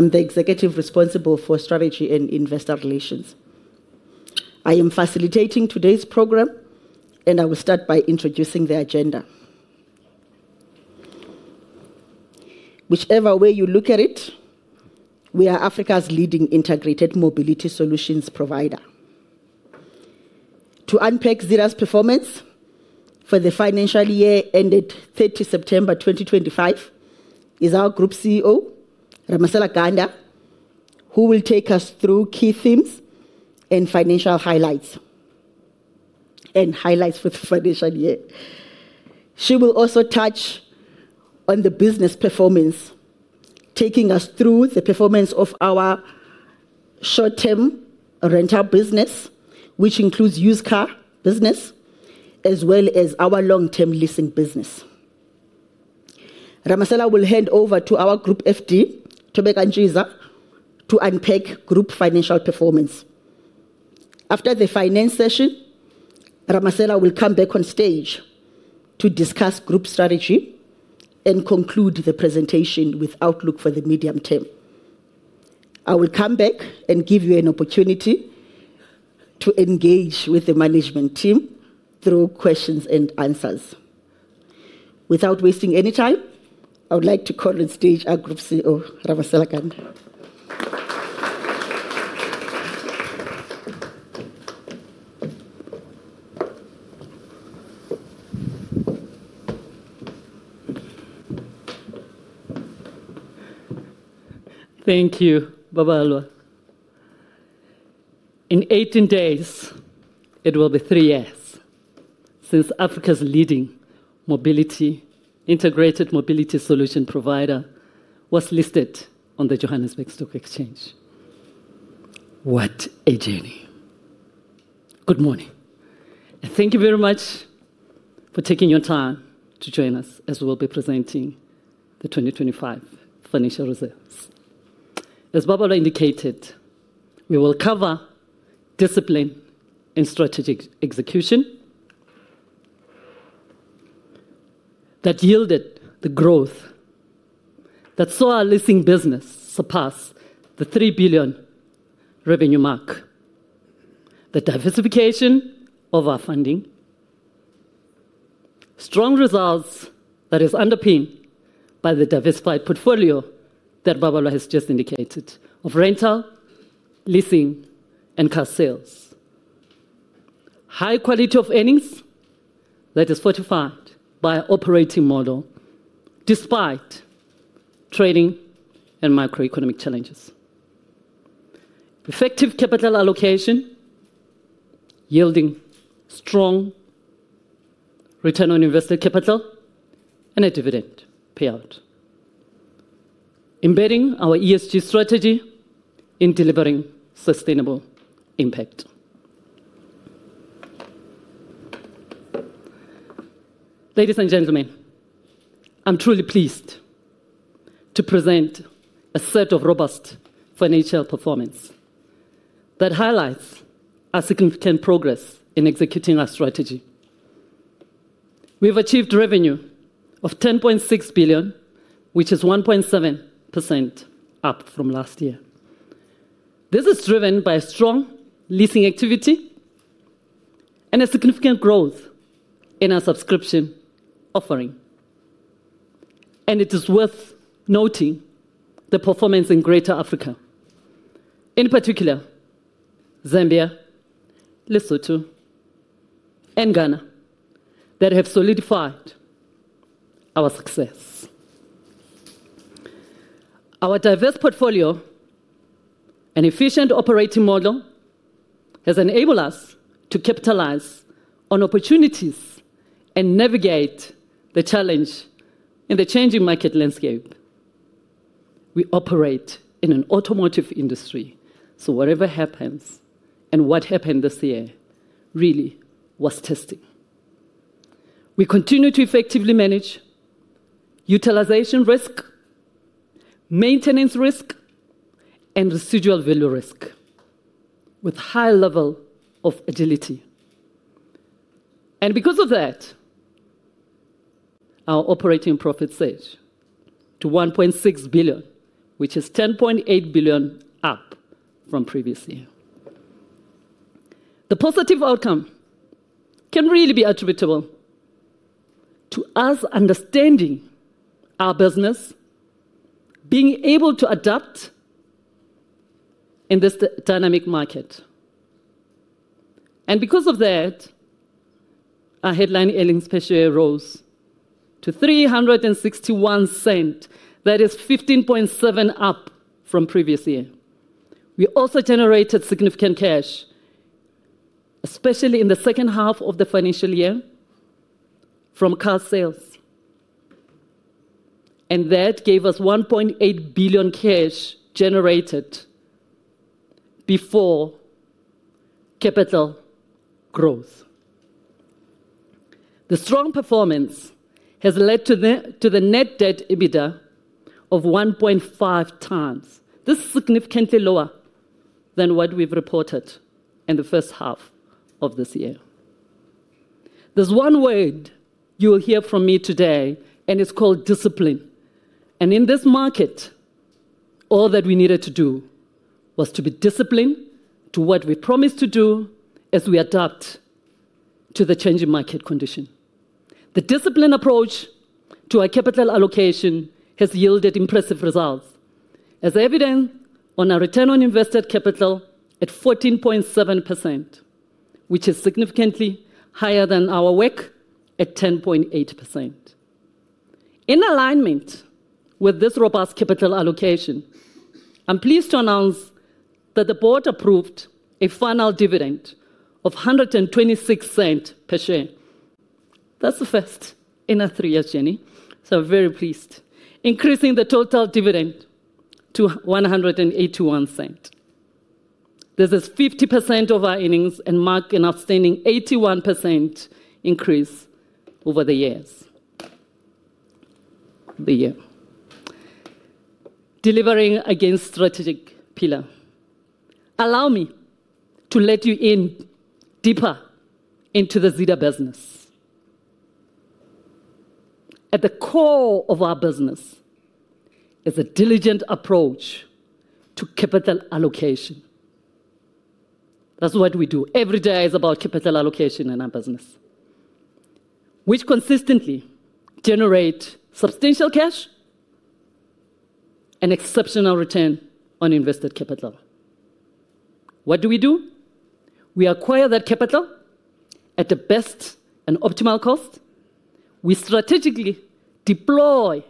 I'm the executive responsible for strategy and investor relations. I am facilitating today's program, and I will start by introducing the agenda. Whichever way you look at it, we are Africa's leading integrated mobility solutions provider. To unpack Zeda's performance for the financial year ended 30th September 2025 is our Group CEO, Ramasela Ganda, who will take us through key themes and financial highlights, and highlights for the financial year. She will also touch on the business performance, taking us through the performance of our short-term rental business, which includes used car business, as well as our long-term leasing business. Ramasela will hand over to our Group Financial Director, Thobeka Ntshiza, to unpack group financial performance. After the finance session, Ramasela will come back on stage to discuss group strategy and conclude the presentation with outlook for the medium term. I will come back and give you an opportunity to engage with the management team through questions and answers. Without wasting any time, I would like to call on stage our Group CEO, Ramasela Ganda. Thank you, Babalwa. In 18 days, it will be three years since Africa's leading integrated mobility solutions provider was listed on the Johannesburg Stock Exchange. What a journey. Good morning. Thank you very much for taking your time to join us as we will be presenting the 2025 financial results. As Babalwa indicated, we will cover discipline and strategic execution that yielded the growth that saw our leasing business surpass the 3 billion revenue mark, the diversification of our funding, strong results that are underpinned by the diversified portfolio that Babalwa has just indicated of rental, leasing, and car sales, high quality of earnings that is fortified by our operating model despite trading and macroeconomic challenges, effective capital allocation yielding strong return on invested capital and a dividend payout, embedding our ESG strategy in delivering sustainable impact. Ladies and gentlemen, I'm truly pleased to present a set of robust financial performance that highlights our significant progress in executing our strategy. We've achieved revenue of 10.6 billion, which is 1.7% up from last year. This is driven by strong leasing activity and a significant growth in our subscription offering. It is worth noting the performance in Greater Africa, in particular Zambia, Lesotho, and Ghana that have solidified our success. Our diverse portfolio and efficient operating model has enabled us to capitalize on opportunities and navigate the challenge in the changing market landscape. We operate in an automotive industry, so whatever happens and what happened this year really was testing. We continue to effectively manage utilization risk, maintenance risk, and residual value risk with high levels of agility. Because of that, our operating profit surged to 1.6 billion, which is 1.08 billion up from previous year. The positive outcome can really be attributable to us understanding our business, being able to adapt in this dynamic market. Because of that, our headline earnings per share rose to 3.61. That is 15.7% up from previous year. We also generated significant cash, especially in the second half of the financial year, from car sales. That gave us 1.8 billion cash generated before capital growth. The strong performance has led to the net debt EBITDA of 1.5x. This is significantly lower than what we've reported in the first half of this year. There is one word you will hear from me today, and it's called discipline. In this market, all that we needed to do was to be disciplined to what we promised to do as we adapt to the changing market condition. The disciplined approach to our capital allocation has yielded impressive results, as evident on our return on invested capital at 14.7%, which is significantly higher than our WACC at 10.8%. In alignment with this robust capital allocation, I'm pleased to announce that the board approved a final dividend of 1.26 per share. That's the first in our three-year journey, so I'm very pleased, increasing the total dividend to 1.81. This is 50% of our earnings and marks an outstanding 81% increase over the years. Delivering against strategic pillar. Allow me to let you in deeper into the Zeda business. At the core of our business is a diligent approach to capital allocation. That's what we do. Every day is about capital allocation in our business, which consistently generates substantial cash and exceptional return on invested capital. What do we do? We acquire that capital at the best and optimal cost. We strategically deploy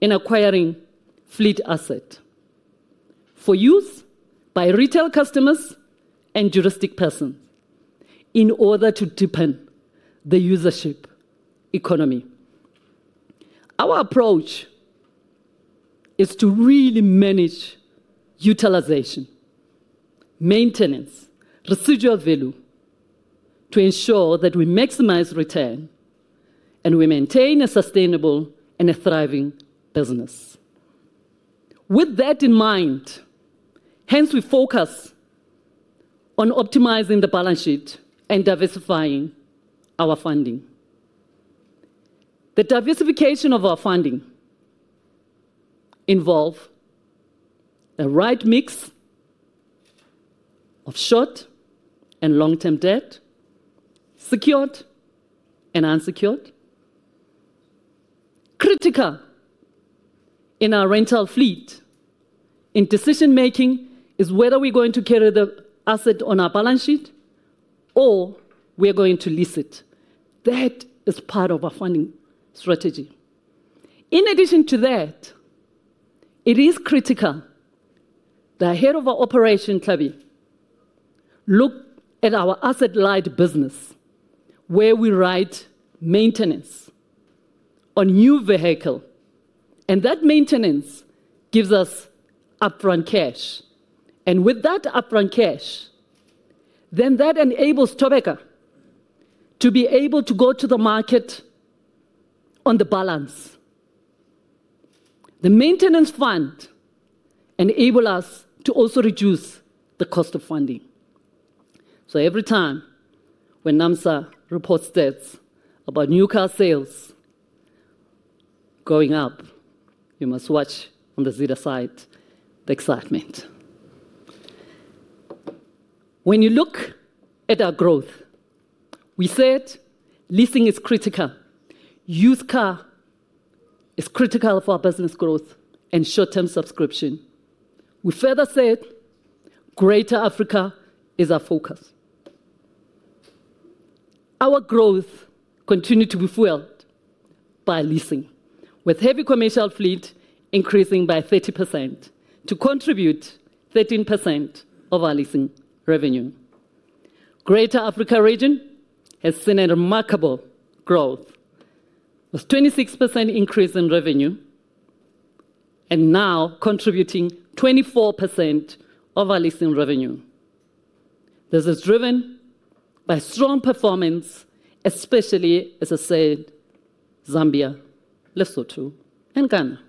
in acquiring fleet assets for use by retail customers and juristic persons in order to deepen the usership economy. Our approach is to really manage utilization, maintenance, residual value to ensure that we maximize return and we maintain a sustainable and a thriving business. With that in mind, hence we focus on optimizing the balance sheet and diversifying our funding. The diversification of our funding involves a right mix of short and long-term debt, secured and unsecured. Critical in our rental fleet in decision-making is whether we're going to carry the asset on our balance sheet or we're going to lease it. That is part of our funding strategy. In addition to that, it is critical that Head of our Operation Tlhabi look at our asset-light business, where we write maintenance on new vehicles, and that maintenance gives us upfront cash. With that upfront cash, that enables Thobeka to be able to go to the market on the balance. The maintenance fund enables us to also reduce the cost of funding. Every time when NAMSA reports data about new car sales going up, you must watch on the Zeda side the excitement. When you look at our growth, we said leasing is critical. Used car is critical for our business growth and short-term subscription. We further said Greater Africa is our focus. Our growth continued to be fueled by leasing, with heavy commercial fleet increasing by 30% to contribute 13% of our leasing revenue. Greater Africa region has seen a remarkable growth, with a 26% increase in revenue and now contributing 24% of our leasing revenue. This is driven by strong performance, especially, as I said, Zambia, Lesotho, and Ghana.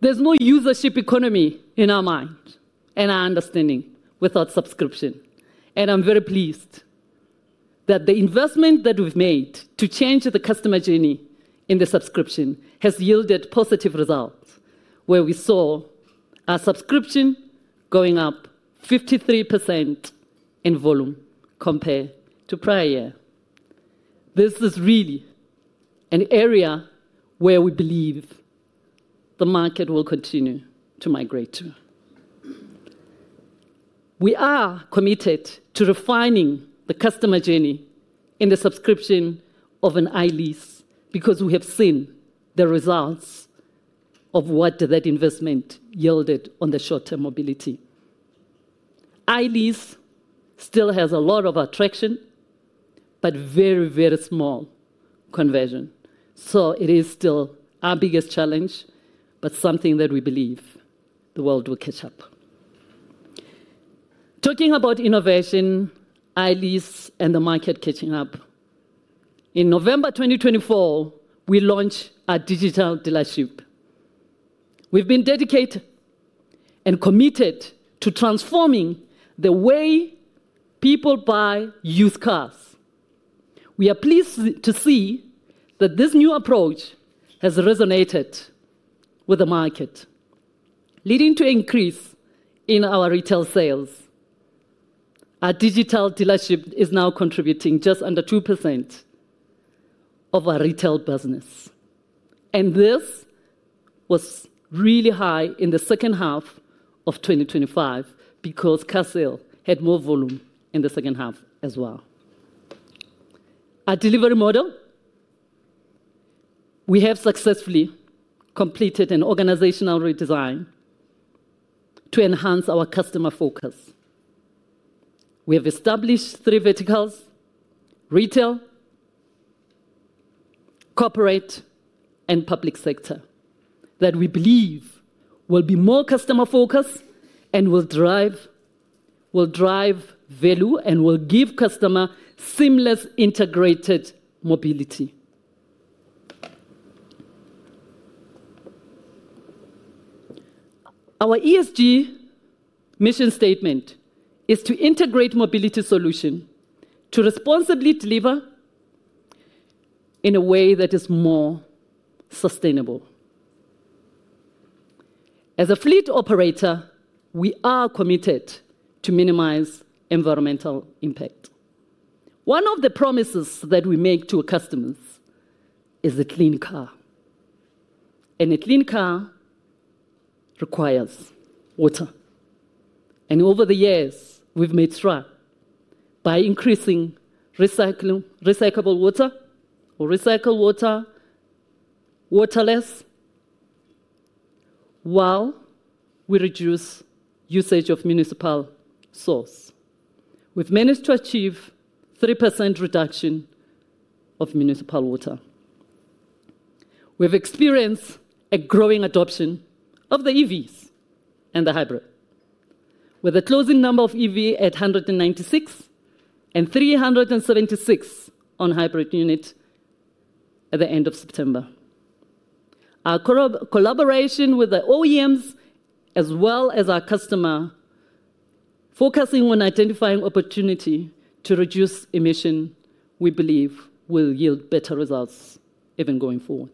There is no usership economy in our mind and our understanding without subscription. I am very pleased that the investment that we have made to change the customer journey in the subscription has yielded positive results, where we saw our subscription going up 53% in volume compared to prior year. This is really an area where we believe the market will continue to migrate to. We are committed to refining the customer journey in the subscription of an iLease because we have seen the results of what that investment yielded on the short-term mobility. iLease still has a lot of attraction, but very, very small conversion. It is still our biggest challenge, but something that we believe the world will catch up. Talking about innovation, iLease and the market catching up, in November 2024, we launched our Digital Dealership. We've been dedicated and committed to transforming the way people buy used cars. We are pleased to see that this new approach has resonated with the market, leading to an increase in our retail sales. Our Digital Dealership is now contributing just under 2% of our retail business. This was really high in the second half of 2025 because car sales had more volume in the second half as well. Our delivery model, we have successfully completed an organizational redesign to enhance our customer focus. We have established three verticals: retail, corporate, and public sector that we believe will be more customer-focused and will drive value and will give customers seamless integrated mobility. Our ESG mission statement is to integrate mobility solutions to responsibly deliver in a way that is more sustainable. As a fleet operator, we are committed to minimize environmental impact. One of the promises that we make to our customers is a clean car. A clean car requires water. Over the years, we've made sure by increasing recyclable water or recycled water, waterless, while we reduce usage of municipal source. We've managed to achieve a 3% reduction of municipal water. We've experienced a growing adoption of the EVs and the hybrid, with a closing number of EVs at 196 and 376 on hybrid units at the end of September. Our collaboration with the OEMs, as well as our customers, focusing on identifying opportunities to reduce emissions, we believe will yield better results even going forward.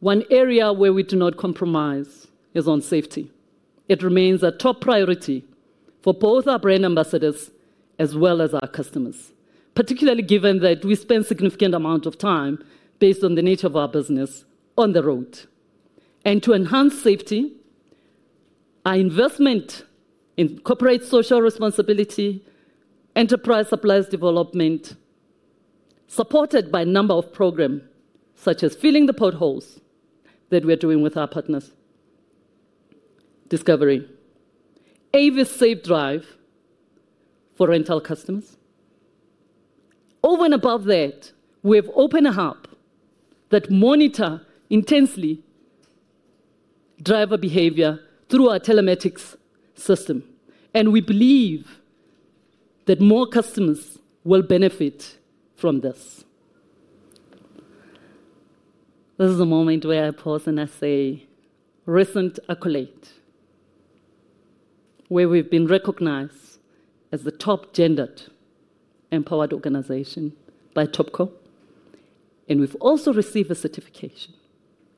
One area where we do not compromise is on safety. It remains a top priority for both our brand ambassadors as well as our customers, particularly given that we spend a significant amount of time based on the nature of our business on the road. To enhance safety, our investment in corporate social responsibility, enterprise supplies development, is supported by a number of programs such as filling the potholes that we are doing with our partners, Discovery, AV safe drive for rental customers. Over and above that, we have opened a hub that monitors intensely driver behavior through our telematics system. We believe that more customers will benefit from this. This is a moment where I pause and I say, "Recent accolade," where we've been recognized as the top gendered empowered organization by TOPCO, and we've also received a certification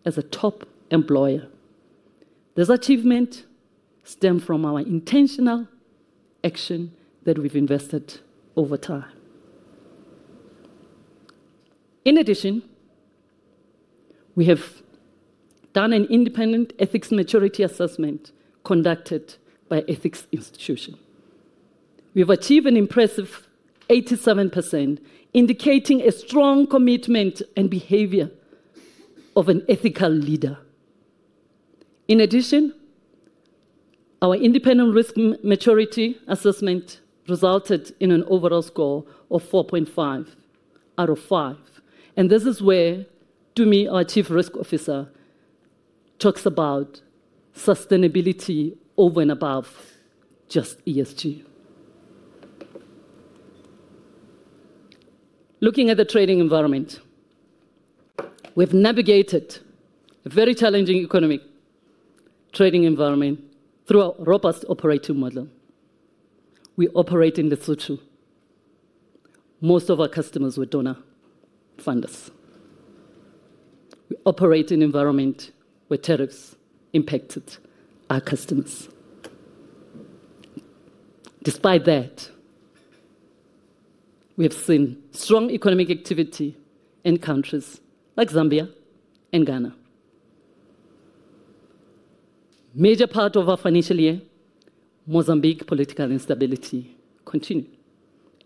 as a top employer. This achievement stems from our intentional action that we've invested over time. In addition, we have done an independent ethics maturity assessment conducted by an ethics institution. We have achieved an impressive 87%, indicating a strong commitment and behavior of an ethical leader. In addition, our independent risk maturity assessment resulted in an overall score of 4.5 out of 5. This is where, to me, our Chief Risk Officer talks about sustainability over and above just ESG. Looking at the trading environment, we have navigated a very challenging economic trading environment through a robust operating model. We operate in Lesotho. Most of our customers were donor funders. We operate in an environment where tariffs impacted our customers. Despite that, we have seen strong economic activity in countries like Zambia and Ghana. Major part of our financial year, Mozambique political instability continued,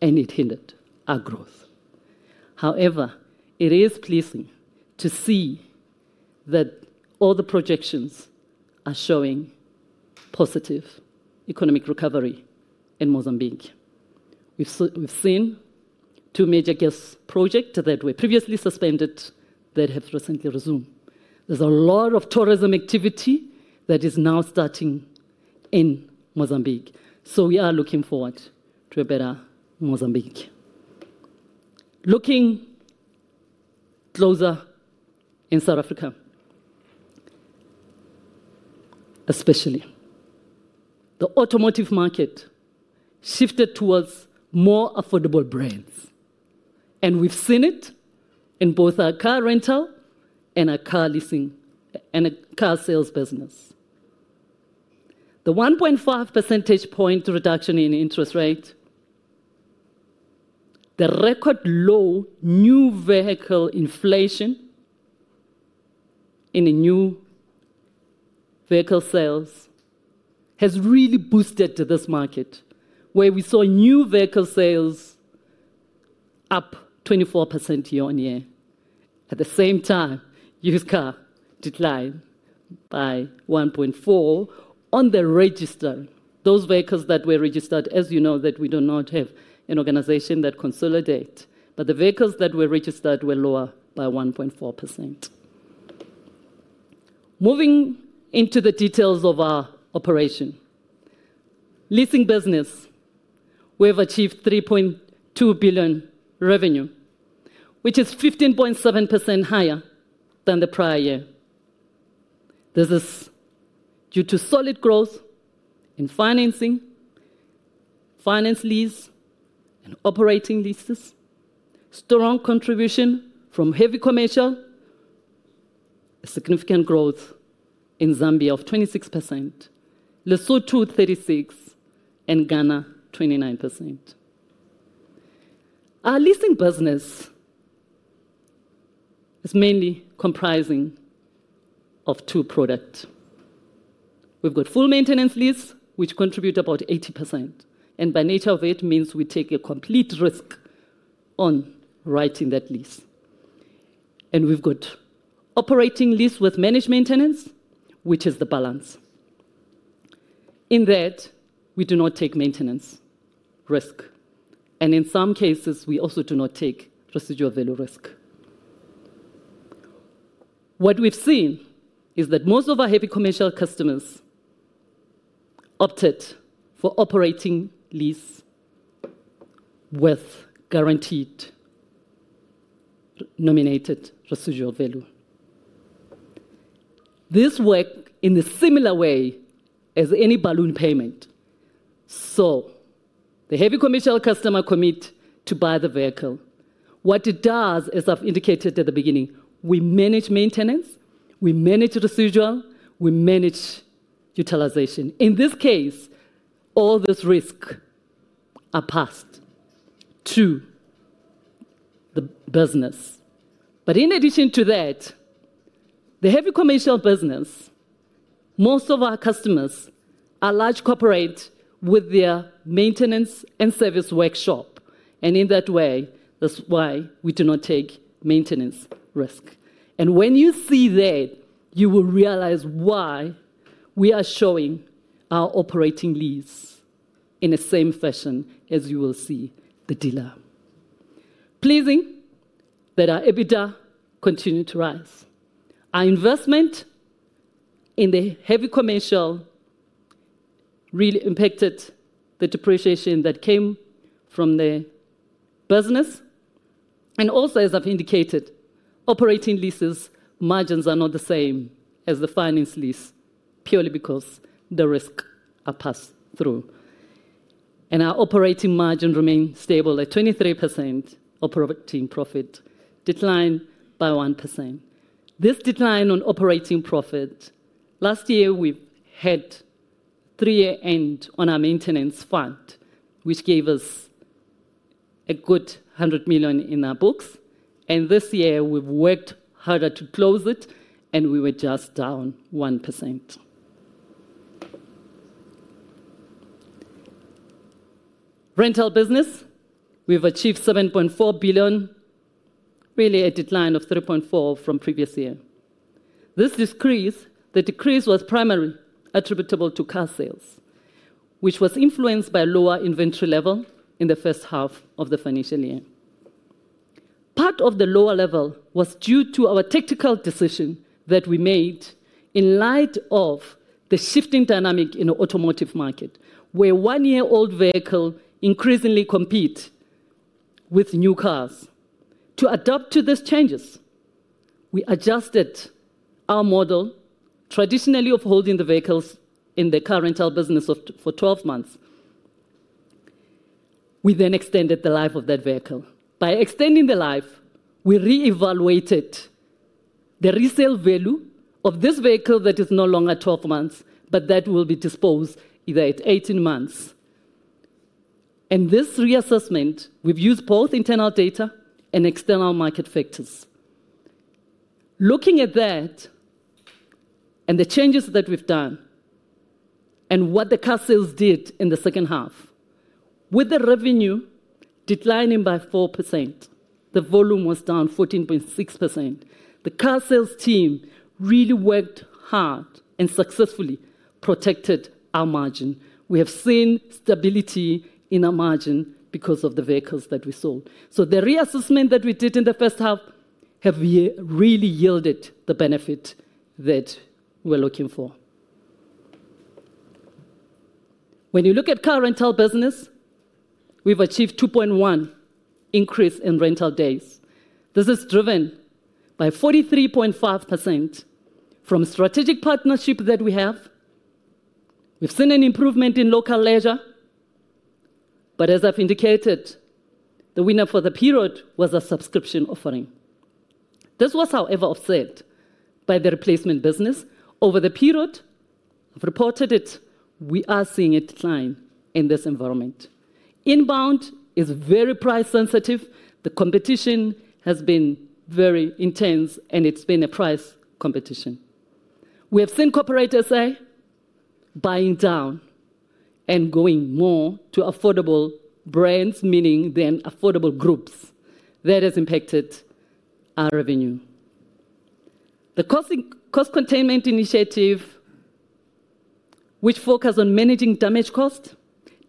and it hindered our growth. However, it is pleasing to see that all the projections are showing positive economic recovery in Mozambique. We've seen two major gas projects that were previously suspended that have recently resumed. There's a lot of tourism activity that is now starting in Mozambique. We are looking forward to a better Mozambique. Looking closer in South Africa, especially the automotive market shifted towards more affordable brands. We've seen it in both our car rental and our car leasing and our car sales business. The 1.5 percentage point reduction in interest rate, the record low new vehicle inflation in new vehicle sales has really boosted this market, where we saw new vehicle sales up 24% YoY. At the same time, used car declined by 1.4% on the register. Those vehicles that were registered, as you know, that we do not have an organization that consolidates, but the vehicles that were registered were lower by 1.4%. Moving into the details of our operation, leasing business, we have achieved 3.2 billion revenue, which is 15.7% higher than the prior year. This is due to solid growth in financing, finance lease, and operating leases, strong contribution from heavy commercial, a significant growth in Zambia of 26%, Lesotho 36%, and Ghana 29%. Our leasing business is mainly comprising of two products. We've got full maintenance lease, which contributes about 80%. By nature of it, it means we take a complete risk on writing that lease. We've got operating lease with managed maintenance, which is the balance. In that, we do not take maintenance risk. In some cases, we also do not take residual value risk. What we've seen is that most of our heavy commercial customers opted for operating lease with guaranteed nominated residual value. This works in a similar way as any balloon payment. The heavy commercial customer commits to buy the vehicle. What it does, as I've indicated at the beginning, we manage maintenance, we manage residual, we manage utilization. In this case, all those risks are passed to the business. In addition to that, the heavy commercial business, most of our customers are large corporates with their maintenance and service workshop. In that way, that's why we do not take maintenance risk. When you see that, you will realize why we are showing our operating lease in the same fashion as you will see the dealer. Pleasing that our EBITDA continued to rise. Our investment in the heavy commercial really impacted the depreciation that came from the business. Also, as I've indicated, operating leases' margins are not the same as the finance lease purely because the risks are passed through. Our operating margin remained stable at 23%. Operating profit declined by 1%. This decline on operating profit, last year, we've had a three-year end on our maintenance fund, which gave us a good 100 million in our books. This year, we've worked harder to close it, and we were just down 1%. Rental business, we've achieved 7.4 billion, really a decline of 3.4% from previous year. This decrease was primarily attributable to car sales, which was influenced by a lower inventory level in the first half of the financial year. Part of the lower level was due to our tactical decision that we made in light of the shifting dynamic in the automotive market, where one-year-old vehicles increasingly compete with new cars. To adapt to these changes, we adjusted our model, traditionally of holding the vehicles in the car rental business for 12 months. We then extended the life of that vehicle. By extending the life, we reevaluated the resale value of this vehicle that is no longer 12 months, but that will be disposed of either at 18 months. This reassessment, we have used both internal data and external market factors. Looking at that and the changes that we have done and what the car sales did in the second half, with the revenue declining by 4%, the volume was down 14.6%. The car sales team really worked hard and successfully protected our margin. We have seen stability in our margin because of the vehicles that we sold. The reassessment that we did in the first half has really yielded the benefit that we are looking for. When you look at car rental business, we have achieved a 2.1% increase in rental days. This is driven by 43.5% from strategic partnerships that we have. We've seen an improvement in local ledger, but as I've indicated, the winner for the period was a subscription offering. This was, however, offset by the replacement business. Over the period, I've reported it, we are seeing a decline in this environment. Inbound is very price-sensitive. The competition has been very intense, and it's been a price competition. We have seen corporate asset buying down and going more to affordable brands, meaning then affordable groups. That has impacted our revenue. The cost containment initiative, which focused on managing damage costs,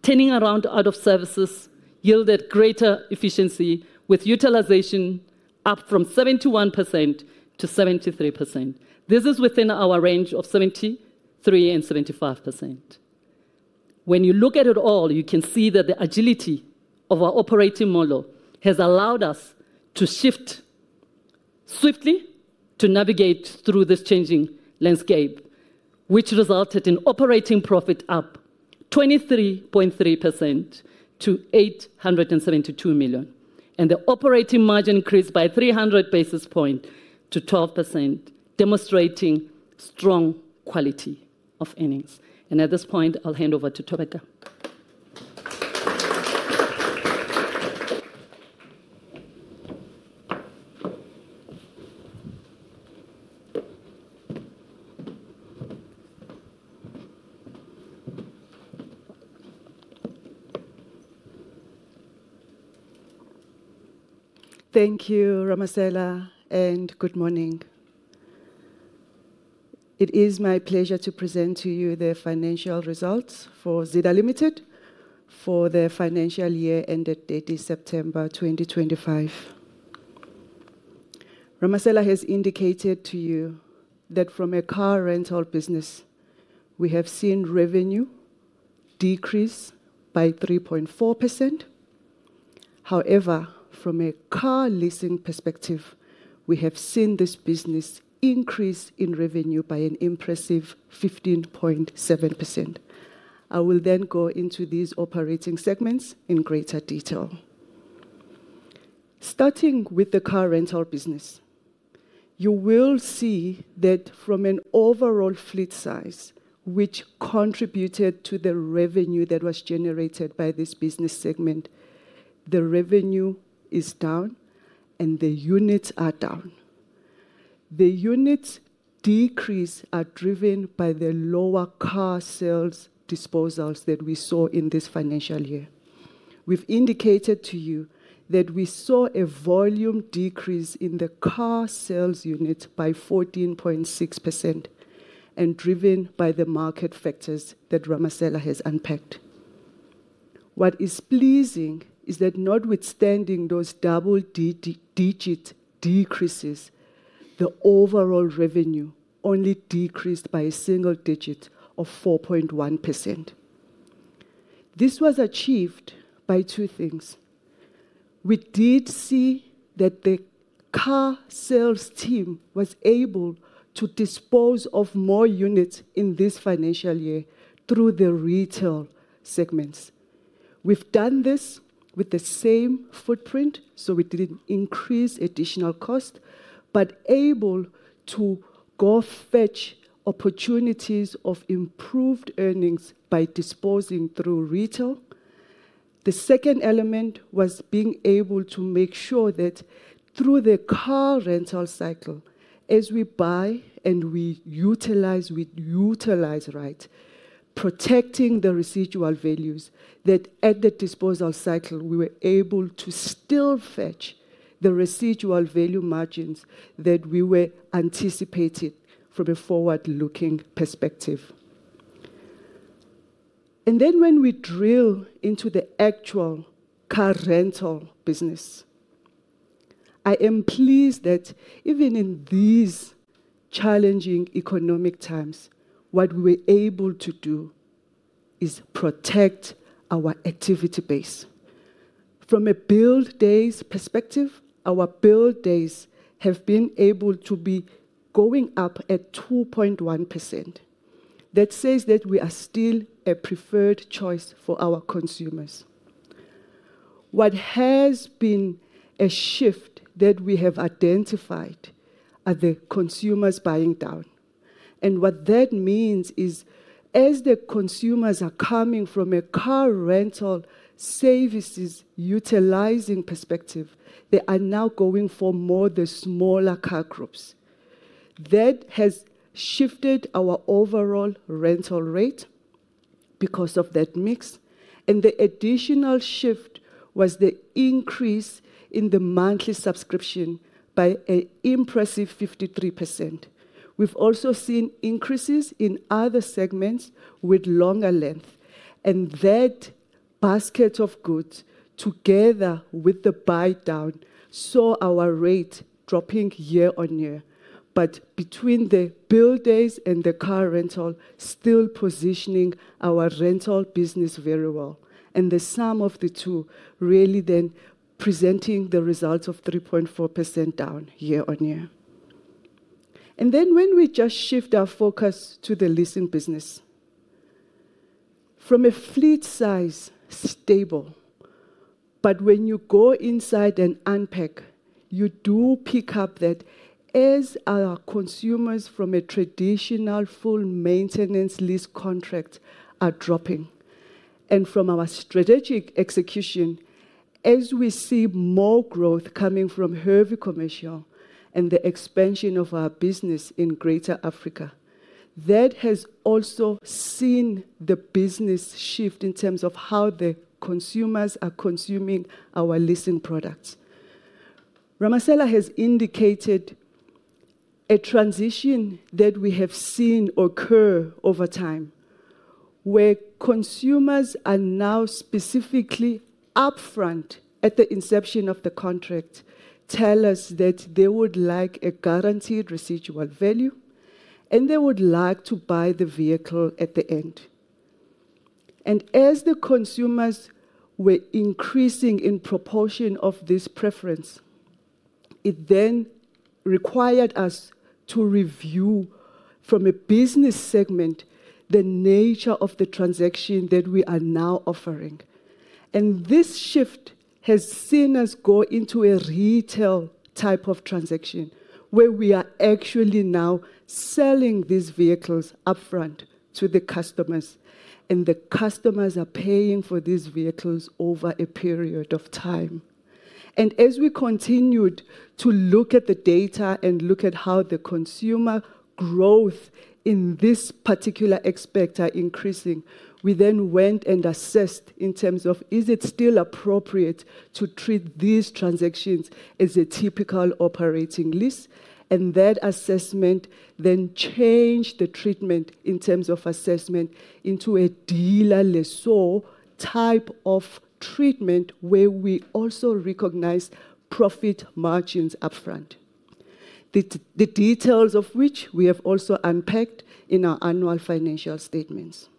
turning around out of services, yielded greater efficiency with utilization up from 71% to 73%. This is within our range of 73%-75%. When you look at it all, you can see that the agility of our operating model has allowed us to shift swiftly to navigate through this changing landscape, which resulted in operating profit up 23.3% to 872 million. The operating margin increased by 300 basis points to 12%, demonstrating strong quality of earnings. At this point, I'll hand over to Thobeka. Thank you, Ramasela, and good morning. It is my pleasure to present to you the financial results for Zeda Limited for the financial year ended date is September 2025. Ramasela has indicated to you that from a car rental business, we have seen revenue decrease by 3.4%. However, from a car leasing perspective, we have seen this business increase in revenue by an impressive 15.7%. I will then go into these operating segments in greater detail. Starting with the car rental business, you will see that from an overall fleet size, which contributed to the revenue that was generated by this business segment, the revenue is down and the units are down. The units decrease are driven by the lower car sales disposals that we saw in this financial year. We've indicated to you that we saw a volume decrease in the car sales units by 14.6% and driven by the market factors that Ramasela has unpacked. What is pleasing is that notwithstanding those double-digit decreases, the overall revenue only decreased by a single digit of 4.1%. This was achieved by two things. We did see that the car sales team was able to dispose of more units in this financial year through the retail segments. We've done this with the same footprint, so we didn't increase additional cost, but able to go fetch opportunities of improved earnings by disposing through retail. The second element was being able to make sure that through the car rental cycle, as we buy and we utilize, we utilize right, protecting the residual values, that at the disposal cycle, we were able to still fetch the residual value margins that we were anticipating from a forward-looking perspective. When we drill into the actual car rental business, I am pleased that even in these challenging economic times, what we were able to do is protect our activity base. From a build days perspective, our build days have been able to be going up at 2.1%. That says that we are still a preferred choice for our consumers. What has been a shift that we have identified are the consumers buying down. What that means is, as the consumers are coming from a car rental services utilizing perspective, they are now going for more the smaller car groups. That has shifted our overall rental rate because of that mix. The additional shift was the increase in the monthly subscription by an impressive 53%. We have also seen increases in other segments with longer length. That basket of goods, together with the buy down, saw our rate dropping year-on-year. Between the build days and the car rental, still positioning our rental business very well. The sum of the two really then presenting the results of 3.4% down year-on-year. When we just shift our focus to the leasing business, from a fleet size, stable. When you go inside and unpack, you do pick up that as our consumers from a traditional full maintenance lease contract are dropping. From our strategic execution, as we see more growth coming from heavy commercial and the expansion of our business in Greater Africa, that has also seen the business shift in terms of how the consumers are consuming our leasing products. Ramasela has indicated a transition that we have seen occur over time where consumers are now specifically upfront at the inception of the contract, tell us that they would like a guaranteed residual value and they would like to buy the vehicle at the end. As the consumers were increasing in proportion of this preference, it then required us to review from a business segment the nature of the transaction that we are now offering. This shift has seen us go into a retail type of transaction where we are actually now selling these vehicles upfront to the customers. The customers are paying for these vehicles over a period of time. As we continued to look at the data and look at how the consumer growth in this particular aspect is increasing, we then went and assessed in terms of is it still appropriate to treat these transactions as a typical operating lease. That assessment then changed the treatment in terms of assessment into a dealer-lessor type of treatment where we also recognize profit margins upfront, the details of which we have also unpacked in our annual financial statements.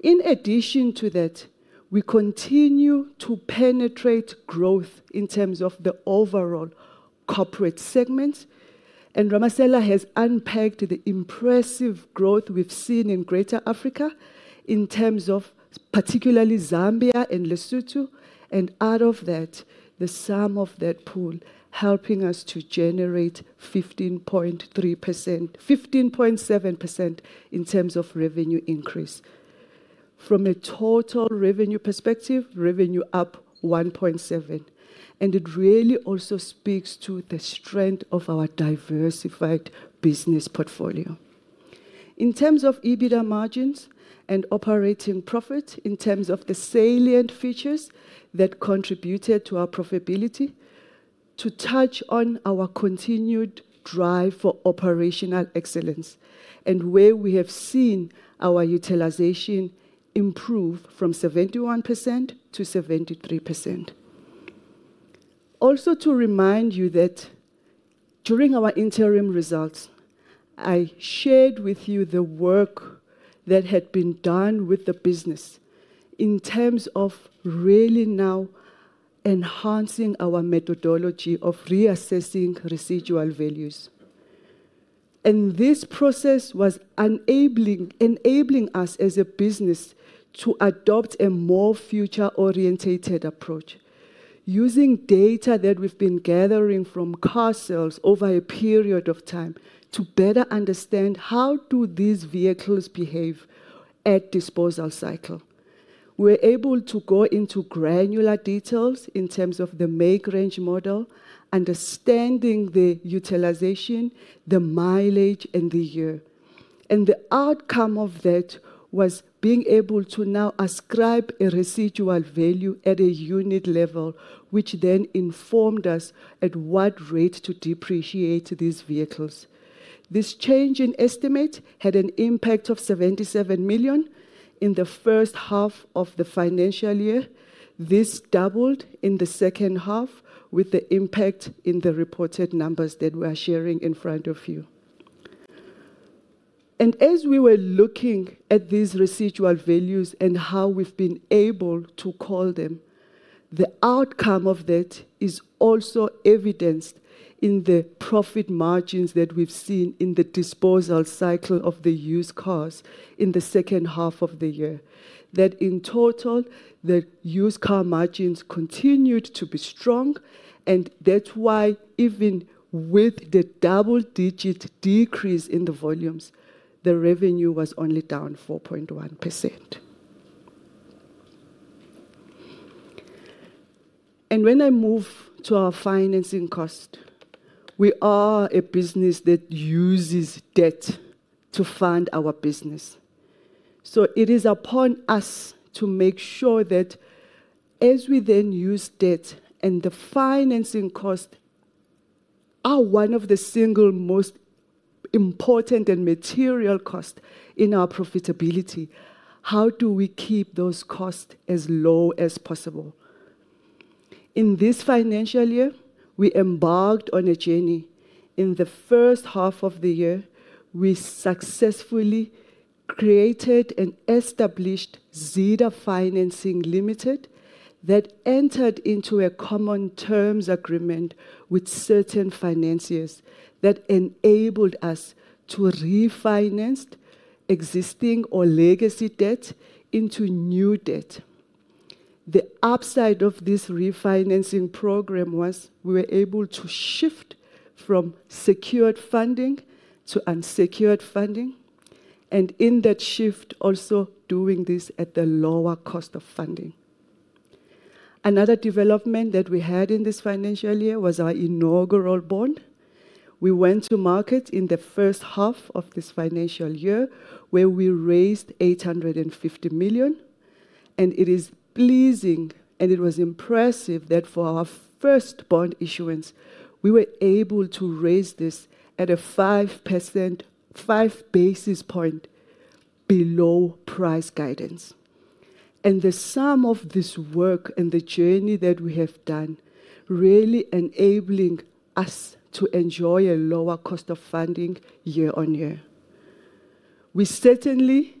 In addition to that, we continue to penetrate growth in terms of the overall corporate segment. Ramasela has unpacked the impressive growth we have seen in Greater Africa in terms of particularly Zambia and Lesotho. Out of that, the sum of that pool is helping us to generate 15.7% in terms of revenue increase. From a total revenue perspective, revenue is up 1.7%. It really also speaks to the strength of our diversified business portfolio. In terms of EBITDA margins and operating profits, in terms of the salient features that contributed to our profitability, to touch on our continued drive for operational excellence and where we have seen our utilization improve from 71% to 73%. Also to remind you that during our interim results, I shared with you the work that had been done with the business in terms of really now enhancing our methodology of reassessing residual values. This process was enabling us as a business to adopt a more future-orientated approach, using data that we've been gathering from car sales over a period of time to better understand how do these vehicles behave at disposal cycle. We are able to go into granular details in terms of the make, range, model, understanding the utilization, the mileage, and the year. The outcome of that was being able to now ascribe a residual value at a unit level, which then informed us at what rate to depreciate these vehicles. This change in estimate had an impact of 77 million in the first half of the financial year. This doubled in the second half with the impact in the reported numbers that we are sharing in front of you. As we were looking at these residual values and how we've been able to call them, the outcome of that is also evidenced in the profit margins that we've seen in the disposal cycle of the used cars in the second half of the year. In total, the used car margins continued to be strong. That is why even with the double-digit decrease in the volumes, the revenue was only down 4.1%. When I move to our financing cost, we are a business that uses debt to fund our business. It is upon us to make sure that as we then use debt and the financing cost are one of the single most important and material costs in our profitability, how do we keep those costs as low as possible? In this financial year, we embarked on a journey. In the first half of the year, we successfully created and established Zeda Financing Limited that entered into a common terms agreement with certain financiers that enabled us to refinance existing or legacy debt into new debt. The upside of this refinancing program was we were able to shift from secured funding to unsecured funding. In that shift, also doing this at the lower cost of funding. Another development that we had in this financial year was our inaugural bond. We went to market in the first half of this financial year where we raised 850 million. It is pleasing and it was impressive that for our first bond issuance, we were able to raise this at a 5%—5 basis points below price guidance. The sum of this work and the journey that we have done really enabling us to enjoy a lower cost of funding year-on-year. We certainly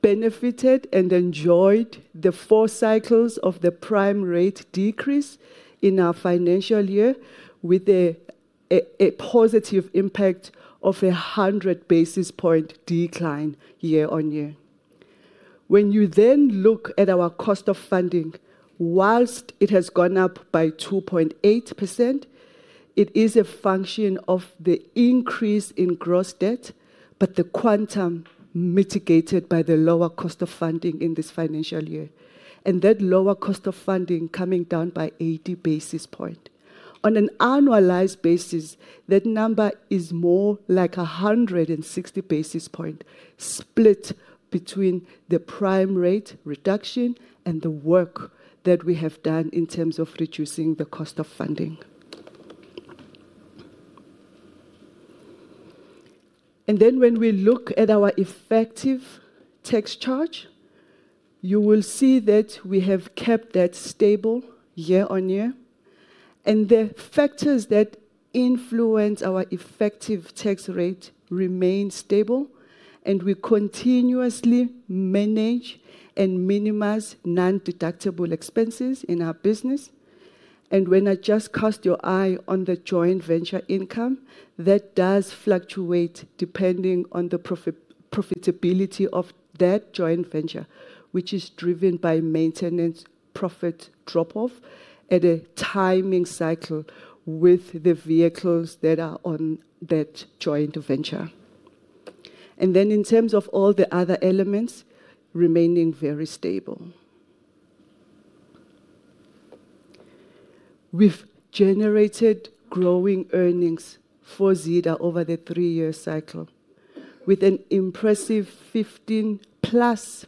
benefited and enjoyed the four cycles of the prime rate decrease in our financial year with a positive impact of a 100 basis point decline year-on-year. When you then look at our cost of funding, whilst it has gone up by 2.8%, it is a function of the increase in gross debt, but the quantum mitigated by the lower cost of funding in this financial year. That lower cost of funding coming down by 80 basis points. On an annualized basis, that number is more like 160 basis points split between the prime rate reduction and the work that we have done in terms of reducing the cost of funding. When we look at our effective tax charge, you will see that we have kept that stable year-on-year. The factors that influence our effective tax rate remain stable. We continuously manage and minimize non-deductible expenses in our business. When I just cast your eye on the joint venture income, that does fluctuate depending on the profitability of that joint venture, which is driven by maintenance profit drop-off at a timing cycle with the vehicles that are on that joint venture. In terms of all the other elements, remaining very stable. We have generated growing earnings for Zeda over the three-year cycle with an impressive 15% plus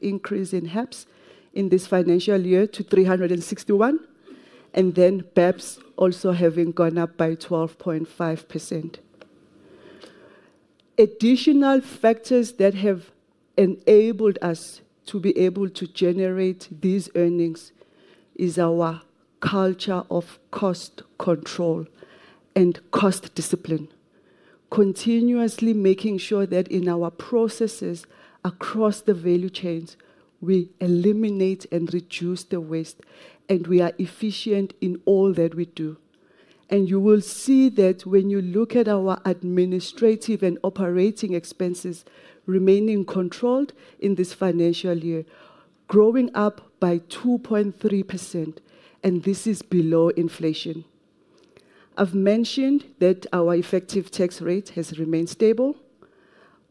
increase in HEPS in this financial year to 361. BEPS also having gone up by 12.5%. Additional factors that have enabled us to be able to generate these earnings is our culture of cost control and cost discipline, continuously making sure that in our processes across the value chains, we eliminate and reduce the waste and we are efficient in all that we do. You will see that when you look at our administrative and operating expenses remaining controlled in this financial year, growing up by 2.3%. This is below inflation. I've mentioned that our effective tax rate has remained stable.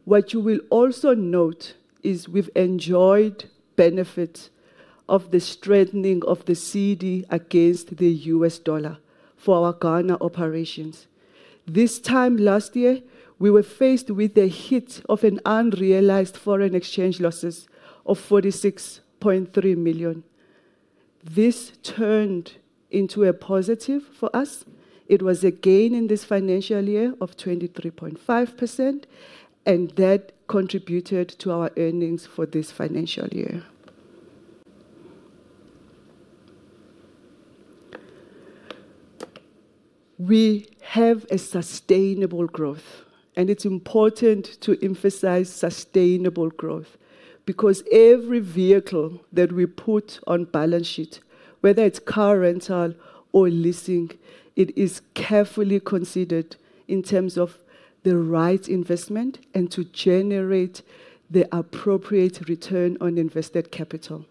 What you will also note is we've enjoyed benefits of the strengthening of the ZAR against the U.S. dollar for our Ghana operations. This time last year, we were faced with the hit of an unrealized foreign exchange losses of 46.3 million. This turned into a positive for us. It was a gain in this financial year of 23.5 million. That contributed to our earnings for this financial year. We have sustainable growth. It is important to emphasize sustainable growth because every vehicle that we put on balance sheet, whether it is car rental or leasing, is carefully considered in terms of the right investment and to generate the appropriate return on invested capital.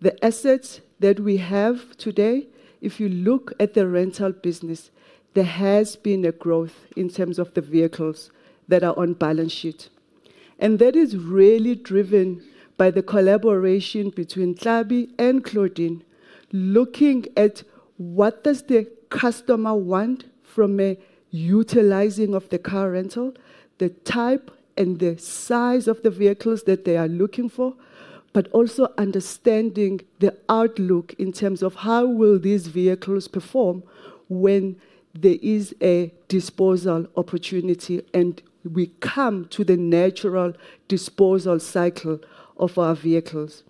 The assets that we have today, if you look at the rental business, there has been growth in terms of the vehicles that are on balance sheet. That is really driven by the collaboration between Tlhabi and Claudine, looking at what does the customer want from a utilizing of the car rental, the type and the size of the vehicles that they are looking for, but also understanding the outlook in terms of how will these vehicles perform when there is a disposal opportunity and we come to the natural disposal cycle of our vehicles.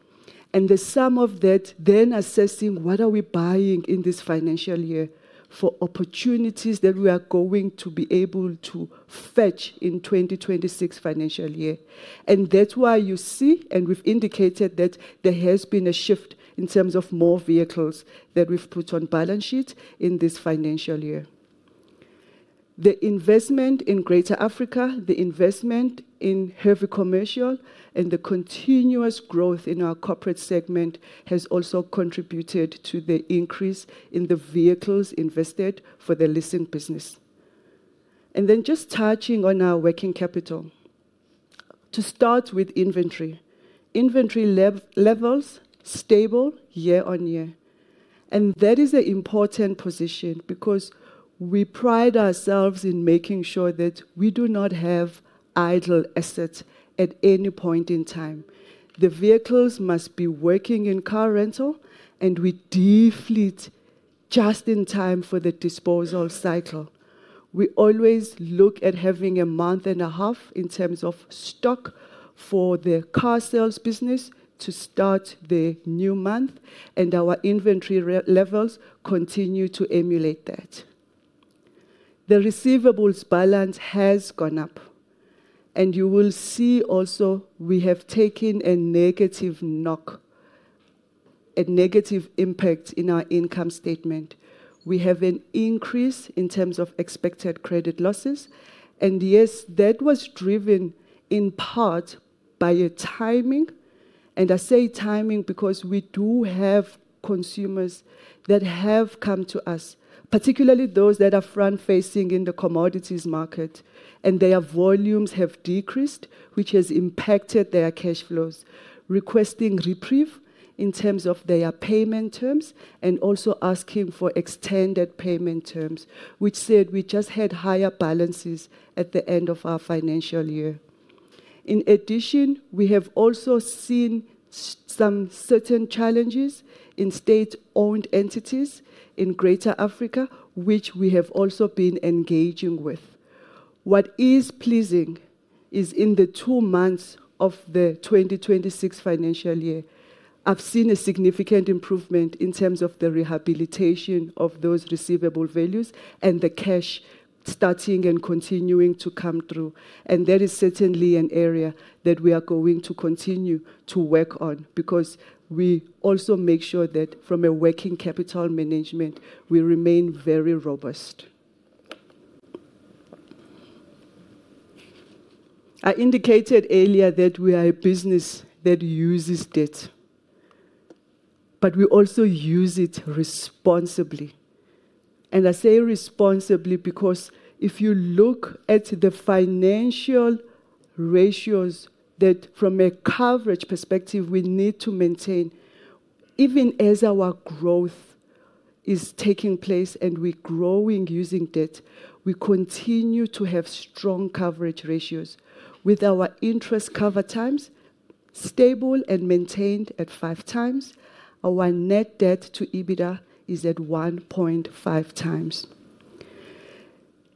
The sum of that, then assessing what are we buying in this financial year for opportunities that we are going to be able to fetch in 2026 financial year. That is why you see, and we have indicated that there has been a shift in terms of more vehicles that we have put on balance sheet in this financial year. The investment in Greater Africa, the investment in heavy commercial, and the continuous growth in our corporate segment has also contributed to the increase in the vehicles invested for the leasing business. Just touching on our working capital. To start with inventory, inventory levels are stable year-on-year. That is an important position because we pride ourselves in making sure that we do not have idle assets at any point in time. The vehicles must be working in car rental, and we deflate just in time for the disposal cycle. We always look at having a month and a half in terms of stock for the car sales business to start the new month, and our inventory levels continue to emulate that. The receivables balance has gone up. You will see also we have taken a negative knock, a negative impact in our income statement. We have an increase in terms of expected credit losses. Yes, that was driven in part by timing. I say timing because we do have consumers that have come to us, particularly those that are front-facing in the commodities market, and their volumes have decreased, which has impacted their cash flows, requesting reprieve in terms of their payment terms and also asking for extended payment terms, which said we just had higher balances at the end of our financial year. In addition, we have also seen some certain challenges in state-owned entities in Greater Africa, which we have also been engaging with. What is pleasing is in the two months of the 2026 financial year, I've seen a significant improvement in terms of the rehabilitation of those receivable values and the cash starting and continuing to come through. That is certainly an area that we are going to continue to work on because we also make sure that from a working capital management, we remain very robust. I indicated earlier that we are a business that uses debt, but we also use it responsibly. I say responsibly because if you look at the financial ratios that from a coverage perspective we need to maintain, even as our growth is taking place and we're growing using debt, we continue to have strong coverage ratios with our interest cover times stable and maintained at five times. Our net debt to EBITDA is at 1.5x.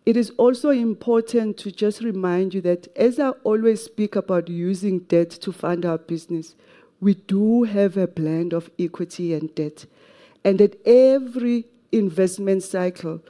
It is also important to just remind you that as I always speak about using debt to fund our business, we do have a blend of equity and debt. At every investment cycle,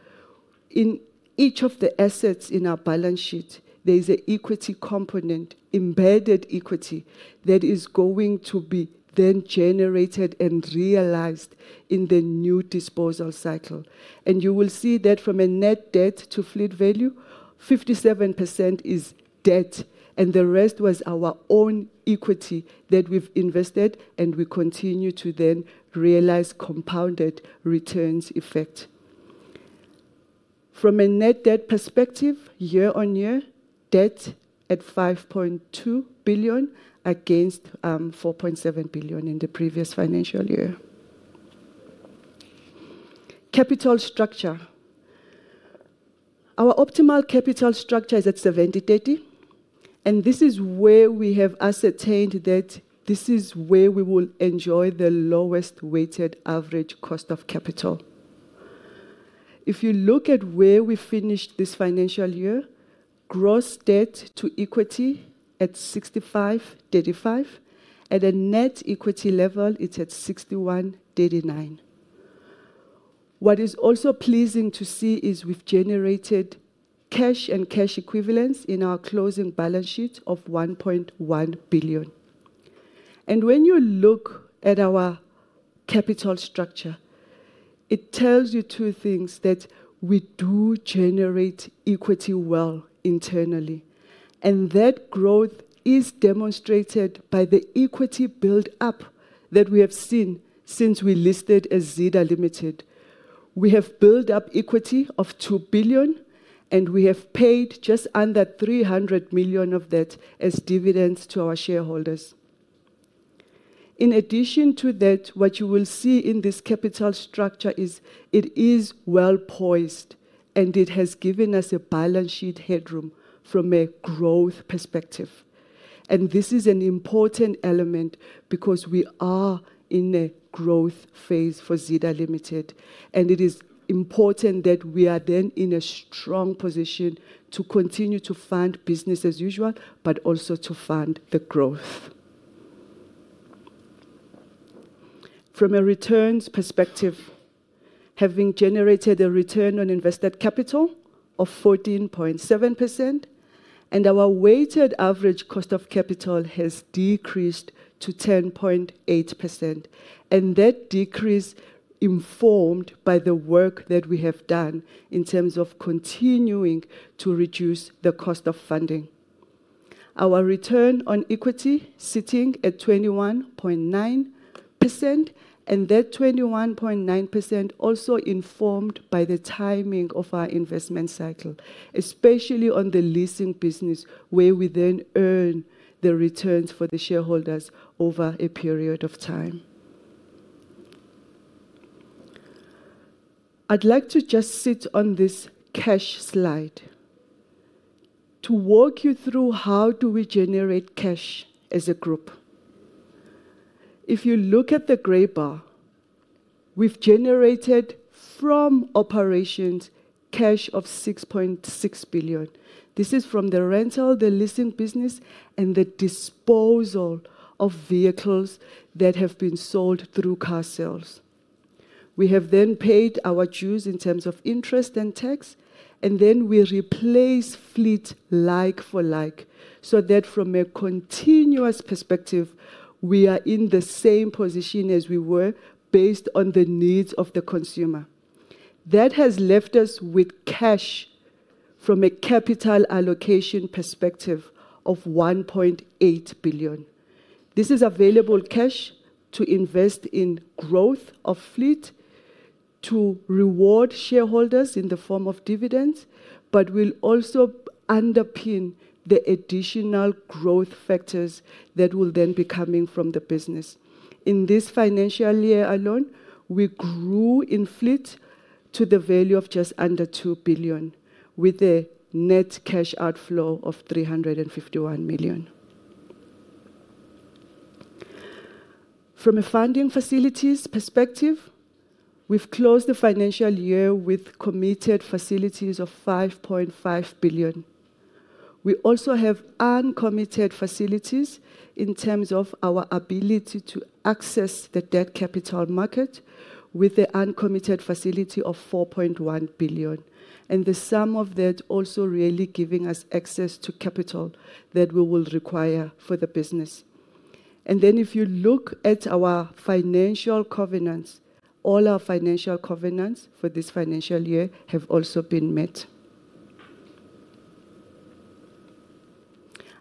in each of the assets in our balance sheet, there is an equity component, embedded equity, that is going to be then generated and realized in the new disposal cycle. You will see that from a net debt to fleet value, 57% is debt. The rest was our own equity that we've invested and we continue to then realize compounded returns effect. From a net debt perspective, year-on-year, debt at 5.2 billion against 4.7 billion in the previous financial year. Capital structure. Our optimal capital structure is at 70/30. This is where we have ascertained that this is where we will enjoy the lowest weighted average cost of capital. If you look at where we finished this financial year, gross debt to equity at 65/35, and the net equity level is at 61/39. What is also pleasing to see is we've generated cash and cash equivalents in our closing balance sheet of 1.1 billion. When you look at our capital structure, it tells you two things: that we do generate equity well internally. That growth is demonstrated by the equity build-up that we have seen since we listed as Zeda Limited. We have built up equity of 2 billion, and we have paid just under 300 million of that as dividends to our shareholders. In addition to that, what you will see in this capital structure is it is well poised, and it has given us a balance sheet headroom from a growth perspective. This is an important element because we are in a growth phase for Zeda Limited. It is important that we are then in a strong position to continue to fund business as usual, but also to fund the growth. From a returns perspective, having generated a return on invested capital of 14.7%, and our weighted average cost of capital has decreased to 10.8%. That decrease informed by the work that we have done in terms of continuing to reduce the cost of funding. Our return on equity sitting at 21.9%, and that 21.9% also informed by the timing of our investment cycle, especially on the leasing business, where we then earn the returns for the shareholders over a period of time. I'd like to just sit on this cash slide to walk you through how do we generate cash as a group. If you look at the gray bar, we've generated from operations cash of 6.6 billion. This is from the rental, the leasing business, and the disposal of vehicles that have been sold through car sales. We have then paid our dues in terms of interest and tax, and then we replace fleet like for like, so that from a continuous perspective, we are in the same position as we were based on the needs of the consumer. That has left us with cash from a capital allocation perspective of 1.8 billion. This is available cash to invest in growth of fleet, to reward shareholders in the form of dividends, but will also underpin the additional growth factors that will then be coming from the business. In this financial year alone, we grew in fleet to the value of just under 2 billion, with a net cash outflow of 351 million. From a funding facilities perspective, we've closed the financial year with committed facilities of 5.5 billion. We also have uncommitted facilities in terms of our ability to access the debt capital market, with the uncommitted facility of 4.1 billion. The sum of that also really giving us access to capital that we will require for the business. If you look at our financial covenants, all our financial covenants for this financial year have also been met.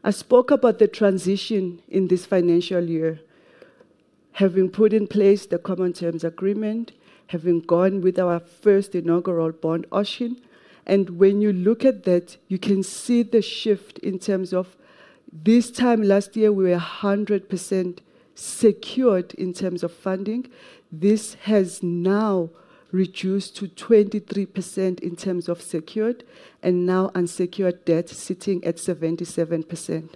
I spoke about the transition in this financial year, having put in place the common terms agreement, having gone with our first inaugural bond auction. When you look at that, you can see the shift in terms of this time last year, we were 100% secured in terms of funding. This has now reduced to 23% in terms of secured and now unsecured debt sitting at 77%.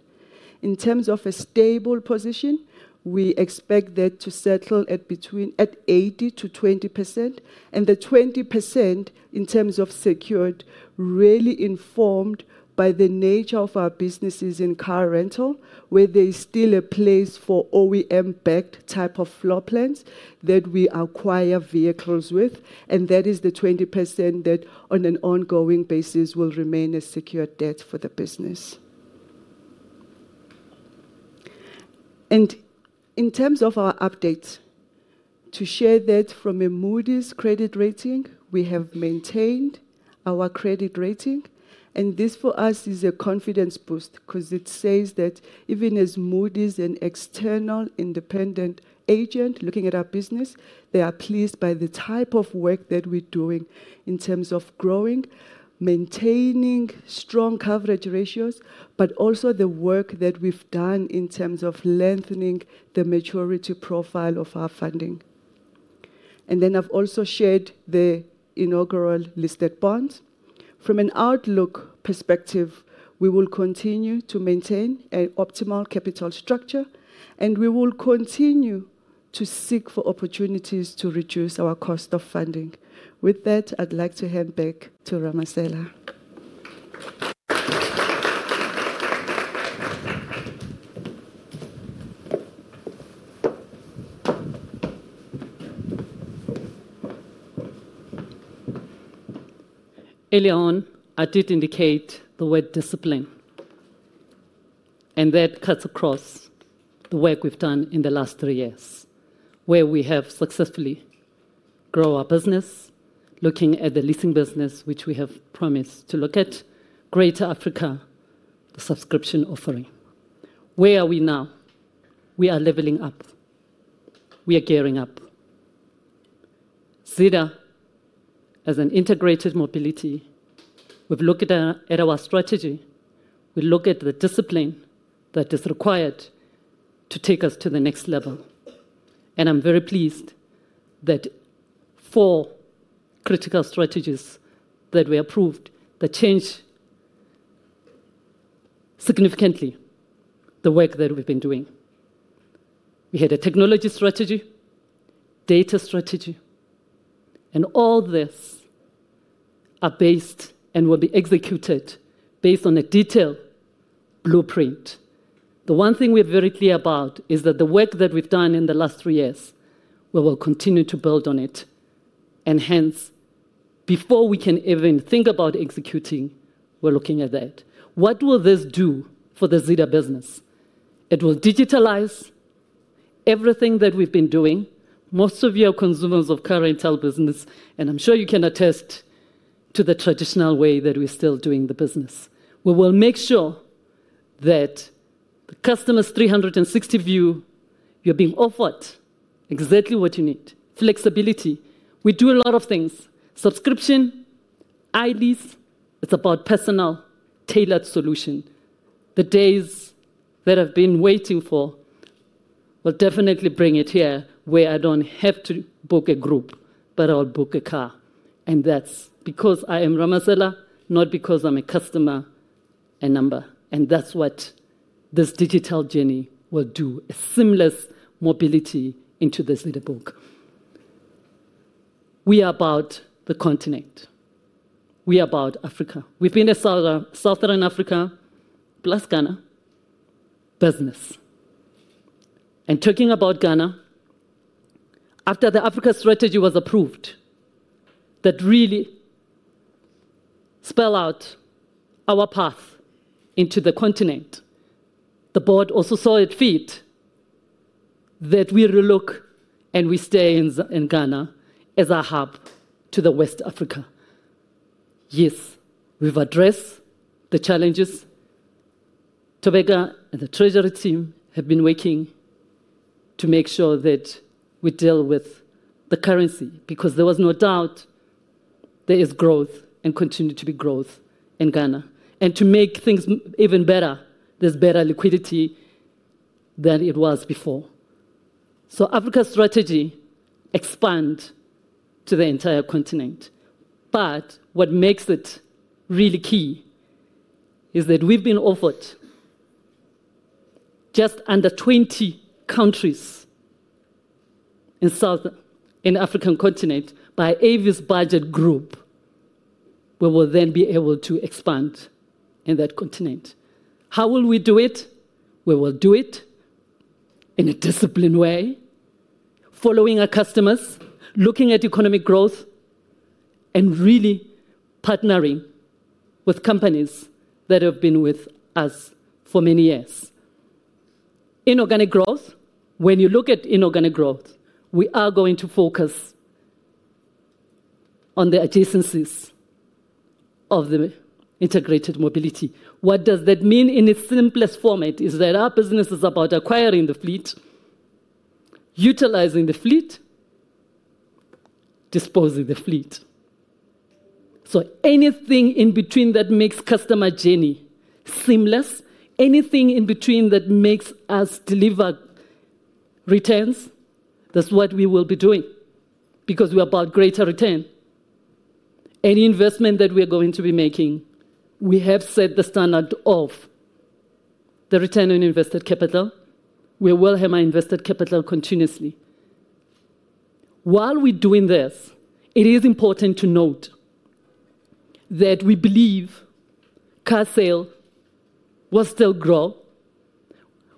In terms of a stable position, we expect that to settle at between 80% to 20%. The 20% in terms of secured, really informed by the nature of our businesses in car rental, where there is still a place for OEM-backed type of floor plans that we acquire vehicles with. That is the 20% that on an ongoing basis will remain a secured debt for the business. In terms of our updates, to share that from a Moody's credit rating, we have maintained our credit rating. This for us is a confidence boost because it says that even as Moody's, an external independent agent looking at our business, they are pleased by the type of work that we're doing in terms of growing, maintaining strong coverage ratios, but also the work that we've done in terms of lengthening the maturity profile of our funding. I have also shared the inaugural listed bonds. From an outlook perspective, we will continue to maintain an optimal capital structure, and we will continue to seek opportunities to reduce our cost of funding. With that, I'd like to hand back to Ramasela. Earlier on, I did indicate the word discipline. That cuts across the work we've done in the last three years, where we have successfully grown our business, looking at the leasing business, which we have promised to look at, Greater Africa, the subscription offering. Where are we now? We are leveling up. We are gearing up. Zeda, as an integrated mobility, we've looked at our strategy. We look at the discipline that is required to take us to the next level. I am very pleased that four critical strategies that we approved change significantly the work that we've been doing. We had a technology strategy, data strategy, and all these are based and will be executed based on a detailed blueprint. The one thing we are very clear about is that the work that we've done in the last three years, we will continue to build on it. Before we can even think about executing, we're looking at that. What will this do for the Zeda business? It will digitalize everything that we've been doing. Most of you are consumers of car rental business, and I'm sure you can attest to the traditional way that we're still doing the business. We will make sure that the customer's 360 view, you're being offered exactly what you need. Flexibility. We do a lot of things. Subscription, IDs, it's about personal tailored solution. The days that I've been waiting for will definitely bring it here, where I don't have to book a group, but I'll book a car. That is because I am Ramasela, not because I'm a customer, a number. That is what this digital journey will do, a seamless mobility into the Zeda book. We are about the continent. We are about Africa. We've been to Southern Africa, plus Ghana, business. Talking about Ghana, after the Africa strategy was approved, that really spelled out our path into the continent. The board also saw it fit that we relook and we stay in Ghana as a hub to the West Africa. Yes, we've addressed the challenges. Thobeka and the treasury team have been working to make sure that we deal with the currency, because there was no doubt there is growth and continues to be growth in Ghana. To make things even better, there is better liquidity than it was before. Africa strategy expands to the entire continent. What makes it really key is that we have been offered just under 20 countries in the African continent by Avis Budget Group. We will then be able to expand in that continent. How will we do it? We will do it in a disciplined way, following our customers, looking at economic growth, and really partnering with companies that have been with us for many years. Inorganic growth, when you look at inorganic growth, we are going to focus on the adjacencies of the integrated mobility. What does that mean in its simplest format? It is that our business is about acquiring the fleet, utilizing the fleet, disposing of the fleet. Anything in between that makes customer journey seamless, anything in between that makes us deliver returns, that's what we will be doing, because we are about greater return. Any investment that we are going to be making, we have set the standard of the return on invested capital. We will have our invested capital continuously. While we're doing this, it is important to note that we believe car sale will still grow.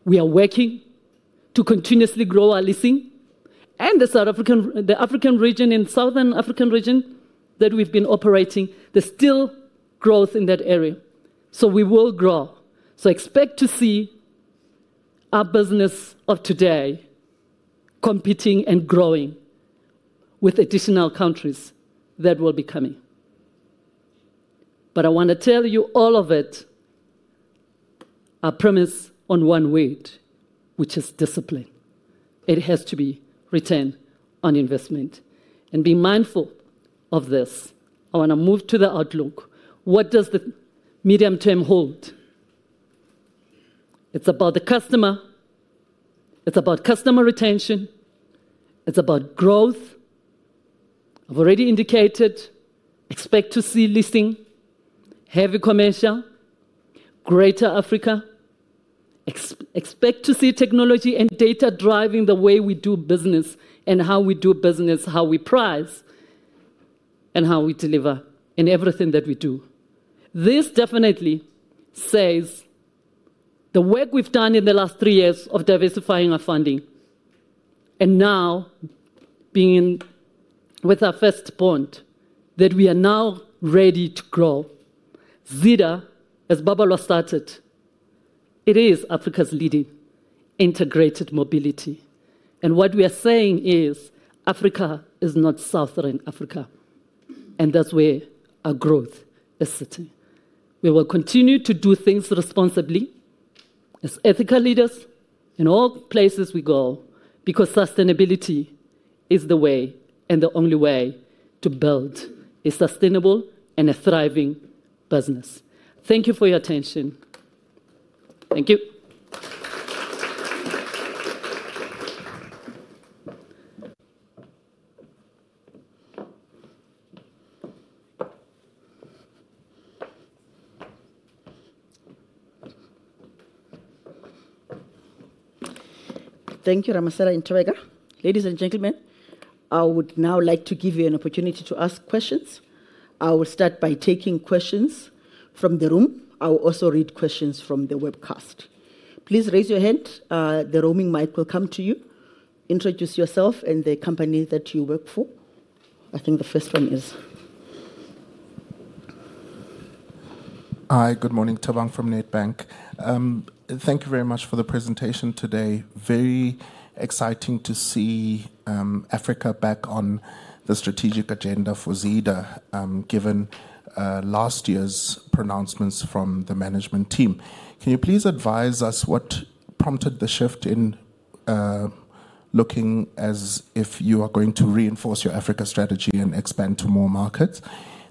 We are working to continuously grow our leasing. The South African region and Southern African region that we've been operating, there's still growth in that area. We will grow. Expect to see our business of today competing and growing with additional countries that will be coming. I want to tell you all of it, our premise on one word, which is discipline. It has to be return on investment. Be mindful of this. I want to move to the outlook. What does the medium term hold? It's about the customer. It's about customer retention. It's about growth. I've already indicated, expect to see leasing, heavy commercial, Greater Africa. Expect to see technology and data driving the way we do business and how we do business, how we price, and how we deliver in everything that we do. This definitely says the work we've done in the last three years of diversifying our funding. Now, being with our first bond, we are now ready to grow. Zeda, as Babalwa started, it is Africa's leading integrated mobility. What we are saying is Africa is not Southern Africa. That's where our growth is sitting. We will continue to do things responsibly as ethical leaders in all places we go, because sustainability is the way and the only way to build a sustainable and a thriving business. Thank you for your attention. Thank you. Thank you, Ramasela and Thobeka. Ladies and gentlemen, I would now like to give you an opportunity to ask questions. I will start by taking questions from the room. I will also read questions from the webcast. Please raise your hand. The roaming mic will come to you. Introduce yourself and the company that you work for. I think the first one is. Hi, good morning. [Tobang] from Nedbank. Thank you very much for the presentation today. Very exciting to see Africa back on the strategic agenda for Zeda, given last year's pronouncements from the management team. Can you please advise us what prompted the shift in looking as if you are going to reinforce your Africa strategy and expand to more markets?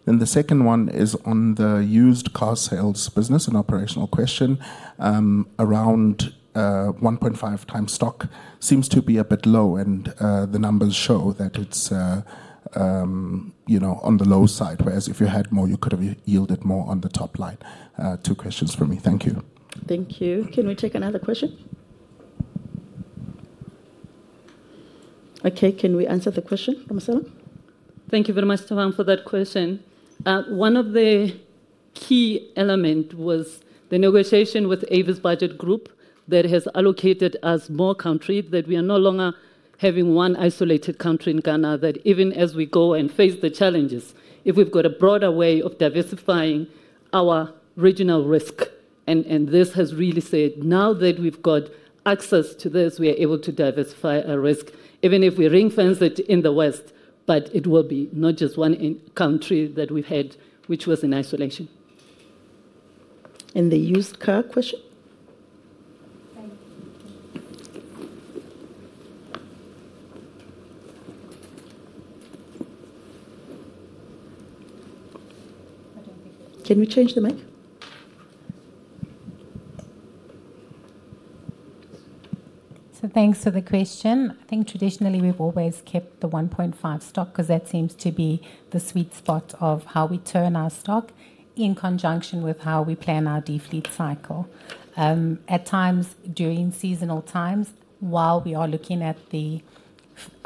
The second one is on the used car sales business and operational question around 1.5x stock seems to be a bit low, and the numbers show that it's on the low side, whereas if you had more, you could have yielded more on the top line. Two questions for me. Thank you. Thank you. Can we take another question? Okay, can we answer the question, Ramasela? Thank you very much, [Tobang], for that question. One of the key elements was the negotiation with Avis Budget Group that has allocated us more country, that we are no longer having one isolated country in Ghana, that even as we go and face the challenges, if we've got a broader way of diversifying our regional risk. This has really said, now that we've got access to this, we are able to diversify our risk, even if we reinforce it in the West, but it will be not just one country that we've had, which was in isolation. The used car question? Can we change the mic? Thanks for the question. I think traditionally we've always kept the 1.5 stock because that seems to be the sweet spot of how we turn our stock in conjunction with how we plan our defleet cycle. At times during seasonal times, while we are looking at the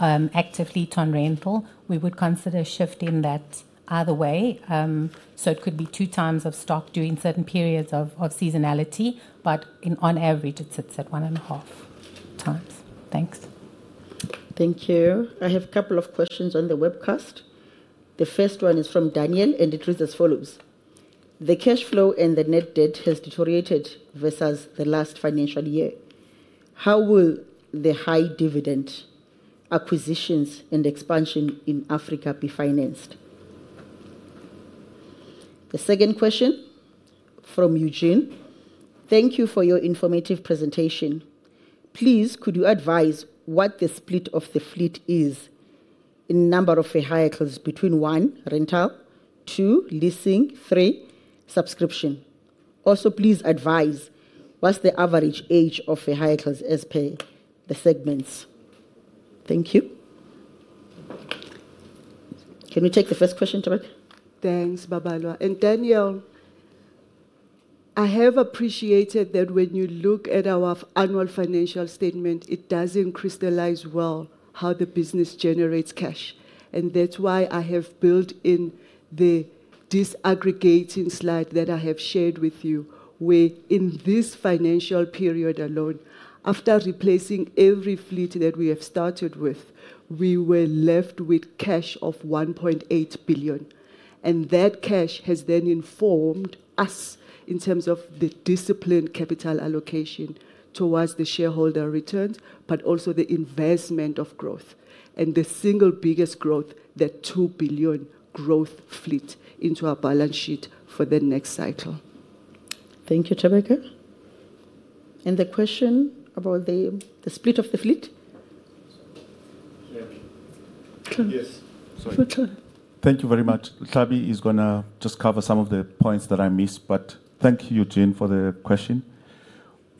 active fleet on rental, we would consider shifting that either way. It could be 2x of stock during certain periods of seasonality, but on average, it sits at 1.5x. Thanks. Thank you. I have a couple of questions on the webcast. The first one is from Daniel, and it reads as follows. The cash flow and the net debt has deteriorated versus the last financial year. How will the high dividend acquisitions and expansion in Africa be financed? The second question from Eugene. Thank you for your informative presentation. Please, could you advise what the split of the fleet is in number of vehicles between one, rental, two, leasing, three, subscription? Also, please advise what is the average age of vehicles as per the segments. Thank you. Can you take the first question, Thobeka? Thanks, Babalwa. Daniel, I have appreciated that when you look at our annual financial statement, it does not crystallize well how the business generates cash. That is why I have built in the disaggregating slide that I have shared with you, where in this financial period alone, after replacing every fleet that we have started with, we were left with cash of 1.8 billion. That cash has then informed us in terms of the disciplined capital allocation towards the shareholder returns, but also the investment of growth. The single biggest growth, that 2 billion growth fleet into our balance sheet for the next cycle. Thank you, Thobeka. The question about the split of the fleet? Yes. Thank you very much. Tlhabi is going to just cover some of the points that I missed, but thank you, Eugene, for the question.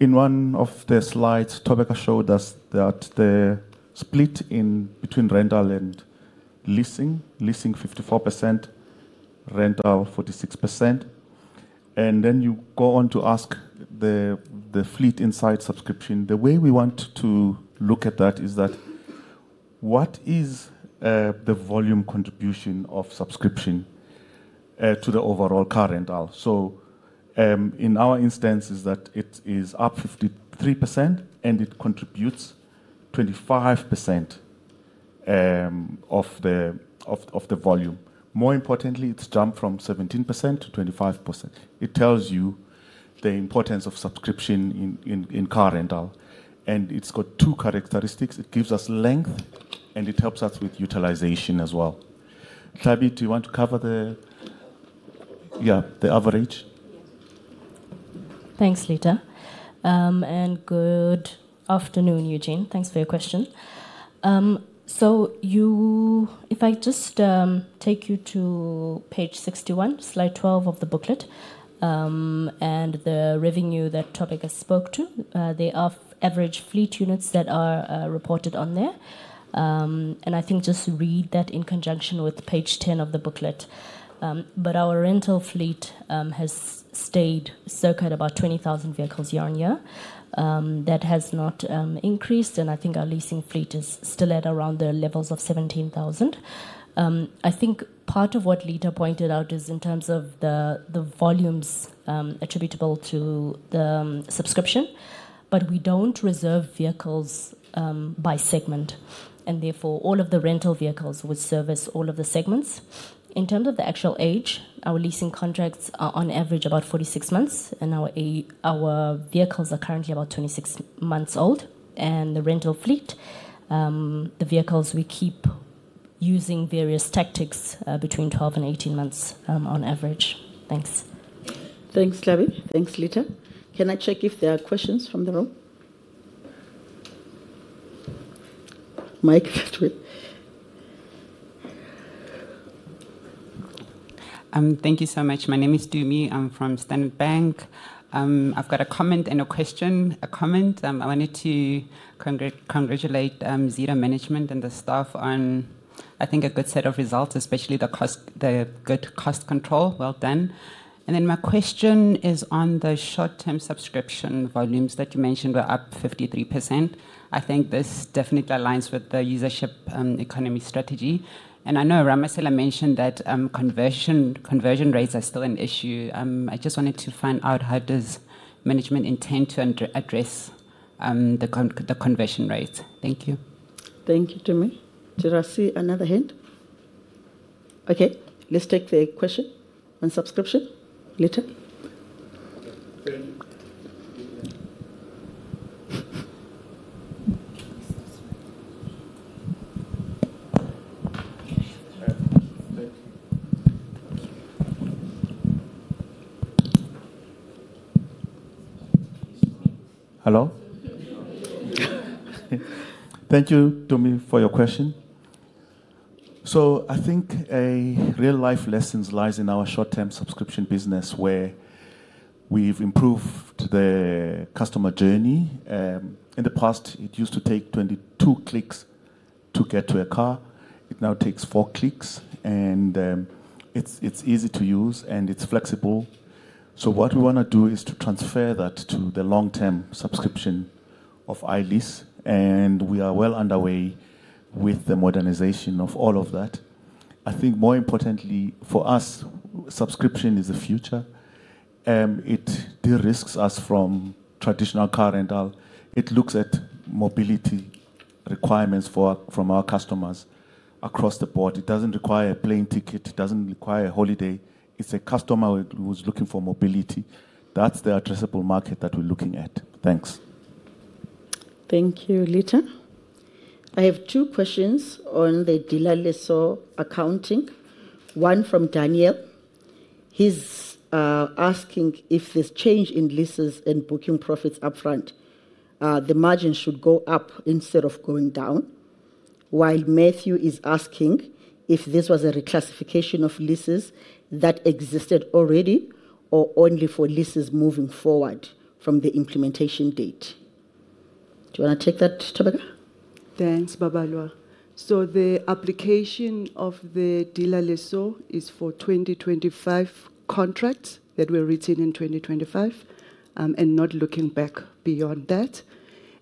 In one of the slides, Thobeka showed us that the split in between rental and leasing, leasing 54%, rental 46%. You go on to ask the fleet inside subscription. The way we want to look at that is that what is the volume contribution of subscription to the overall car rental? In our instance, it is up 53%, and it contributes 25% of the volume. More importantly, it has jumped from 17% to 25%. It tells you the importance of subscription in car rental. It has two characteristics. It gives us length, and it helps us with utilization as well. Tlhabi, do you want to cover the average? Thanks, Litha. Good afternoon, Eugene. Thanks for your question. If I just take you to page 61, slide 12 of the booklet, and the revenue that Thobeka spoke to, the average fleet units that are reported on there. I think just read that in conjunction with page 10 of the booklet. Our rental fleet has stayed circa at about 20,000 vehicles year-on-year. That has not increased, and I think our leasing fleet is still at around the levels of 17,000. I think part of what Litha pointed out is in terms of the volumes attributable to the subscription, but we do not reserve vehicles by segment. Therefore, all of the rental vehicles would service all of the segments. In terms of the actual age, our leasing contracts are on average about 46 months, and our vehicles are currently about 26 months old. The rental fleet, the vehicles we keep using various tactics between 12 and 18 months on average. Thanks. Thanks, Tlhabi. Thanks, Litha. Can I check if there are questions from the room? Mic is actually. Thank you so much. My name is Dumi. I'm from Standard Bank. I've got a comment and a question. I wanted to congratulate Zeda Management and the staff on, I think, a good set of results, especially the good cost control. Well done. My question is on the short-term subscription volumes that you mentioned were up 53%. I think this definitely aligns with the usership economy strategy. I know Ramasela mentioned that conversion rates are still an issue. I just wanted to find out how does management intend to address the conversion rates. Thank you. Thank you, Dumi. Should I see another hand? Okay, let's take the question on subscription. Litha? Hello? Thank you, Dumi, for your question. I think real-life lessons lie in our short-term subscription business, where we've improved the customer journey. In the past, it used to take 22 clicks to get to a car. It now takes four clicks, and it's easy to use, and it's flexible. What we want to do is to transfer that to the long-term subscription of iLease, and we are well underway with the modernization of all of that. I think more importantly, for us, subscription is the future. It de-risks us from traditional car rental. It looks at mobility requirements from our customers across the board. It doesn't require a plane ticket. It doesn't require a holiday. It's a customer who's looking for mobility. That's the addressable market that we're looking at. Thanks. Thank you, Litha. I have two questions on the dealer-lessor accounting. One from Daniel. He's asking if this change in leases and booking profits upfront, the margin should go up instead of going down, while Matthew is asking if this was a reclassification of leases that existed already or only for leases moving forward from the implementation date. Do you want to take that, Thobeka? Thanks, Babalwa. The application of the dealer-lessor is for 2025 contracts that were written in 2025 and not looking back beyond that.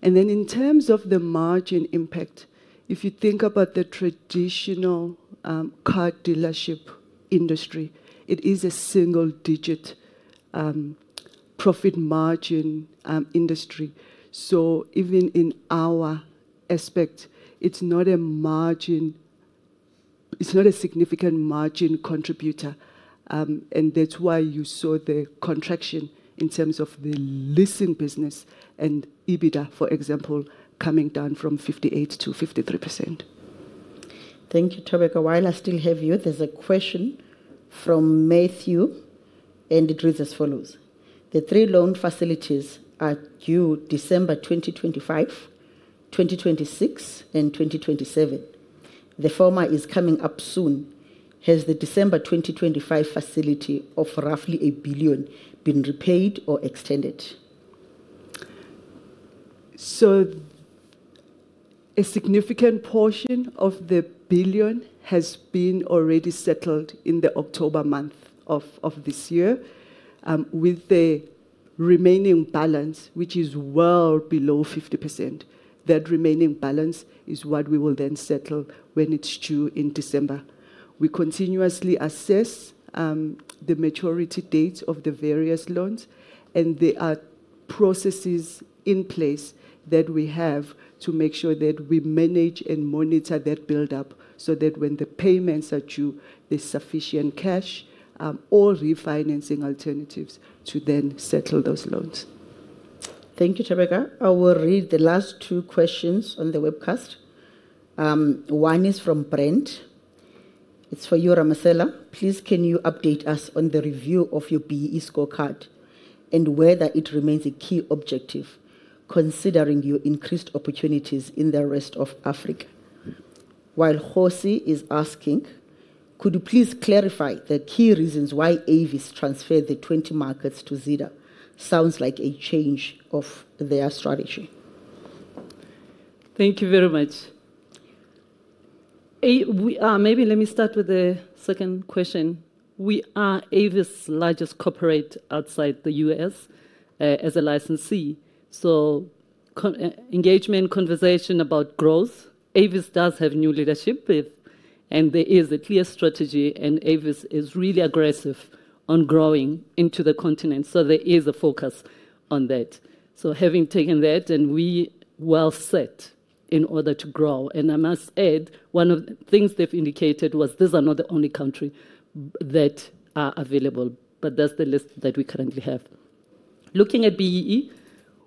In terms of the margin impact, if you think about the traditional car dealership industry, it is a single-digit profit margin industry. Even in our aspect, it's not a significant margin contributor. That's why you saw the contraction in terms of the leasing business and EBITDA, for example, coming down from 58% to 53%. Thank you, Thobeka. While I still have you, there's a question from Matthew, and it reads as follows. The three loan facilities are due December 2025, 2026, and 2027. The former is coming up soon. Has the December 2025 facility of roughly 1 billion been repaid or extended? A significant portion of the billion has been already settled in the October month of this year. With the remaining balance, which is well below 50%, that remaining balance is what we will then settle when it's due in December. We continuously assess the maturity dates of the various loans, and there are processes in place that we have to make sure that we manage and monitor that buildup so that when the payments are due, there's sufficient cash or refinancing alternatives to then settle those loans. Thank you, Thobeka. I will read the last two questions on the webcast. One is from Brent. It's for you, Ramasela. Please, can you update us on the review of your BEE scorecard and whether it remains a key objective considering your increased opportunities in the rest of Africa? While Hosi is asking, could you please clarify the key reasons why Avis transferred the 20 markets to Zeda? Sounds like a change of their strategy. Thank you very much. Maybe let me start with the second question. We are Avis's largest corporate outside the U.S. as a licensee. Engagement, conversation about growth, Avis does have new leadership, and there is a clear strategy, and Avis is really aggressive on growing into the continent. There is a focus on that. Having taken that, we are well set in order to grow. I must add, one of the things they've indicated was these are not the only countries that are available, but that's the list that we currently have. Looking at BEE,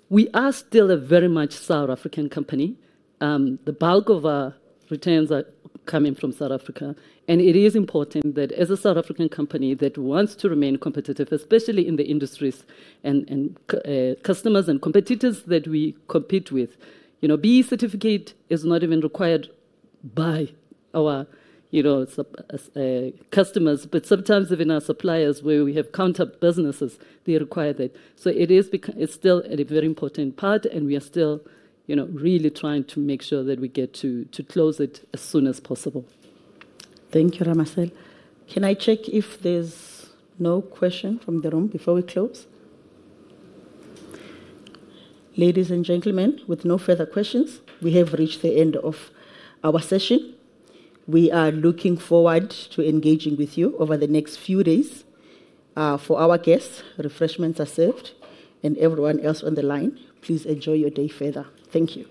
we are still a very much South African company. The bulk of our returns are coming from South Africa. It is important that as a South African company that wants to remain competitive, especially in the industries and customers and competitors that we compete with, BEE certificate is not even required by our customers, but sometimes even our suppliers where we have counter businesses, they require that. It is still a very important part, and we are still really trying to make sure that we get to close it as soon as possible. Thank you, Ramasela. Can I check if there's no question from the room before we close? Ladies and gentlemen, with no further questions, we have reached the end of our session. We are looking forward to engaging with you over the next few days. For our guests, refreshments are served, and everyone else on the line, please enjoy your day further. Thank you.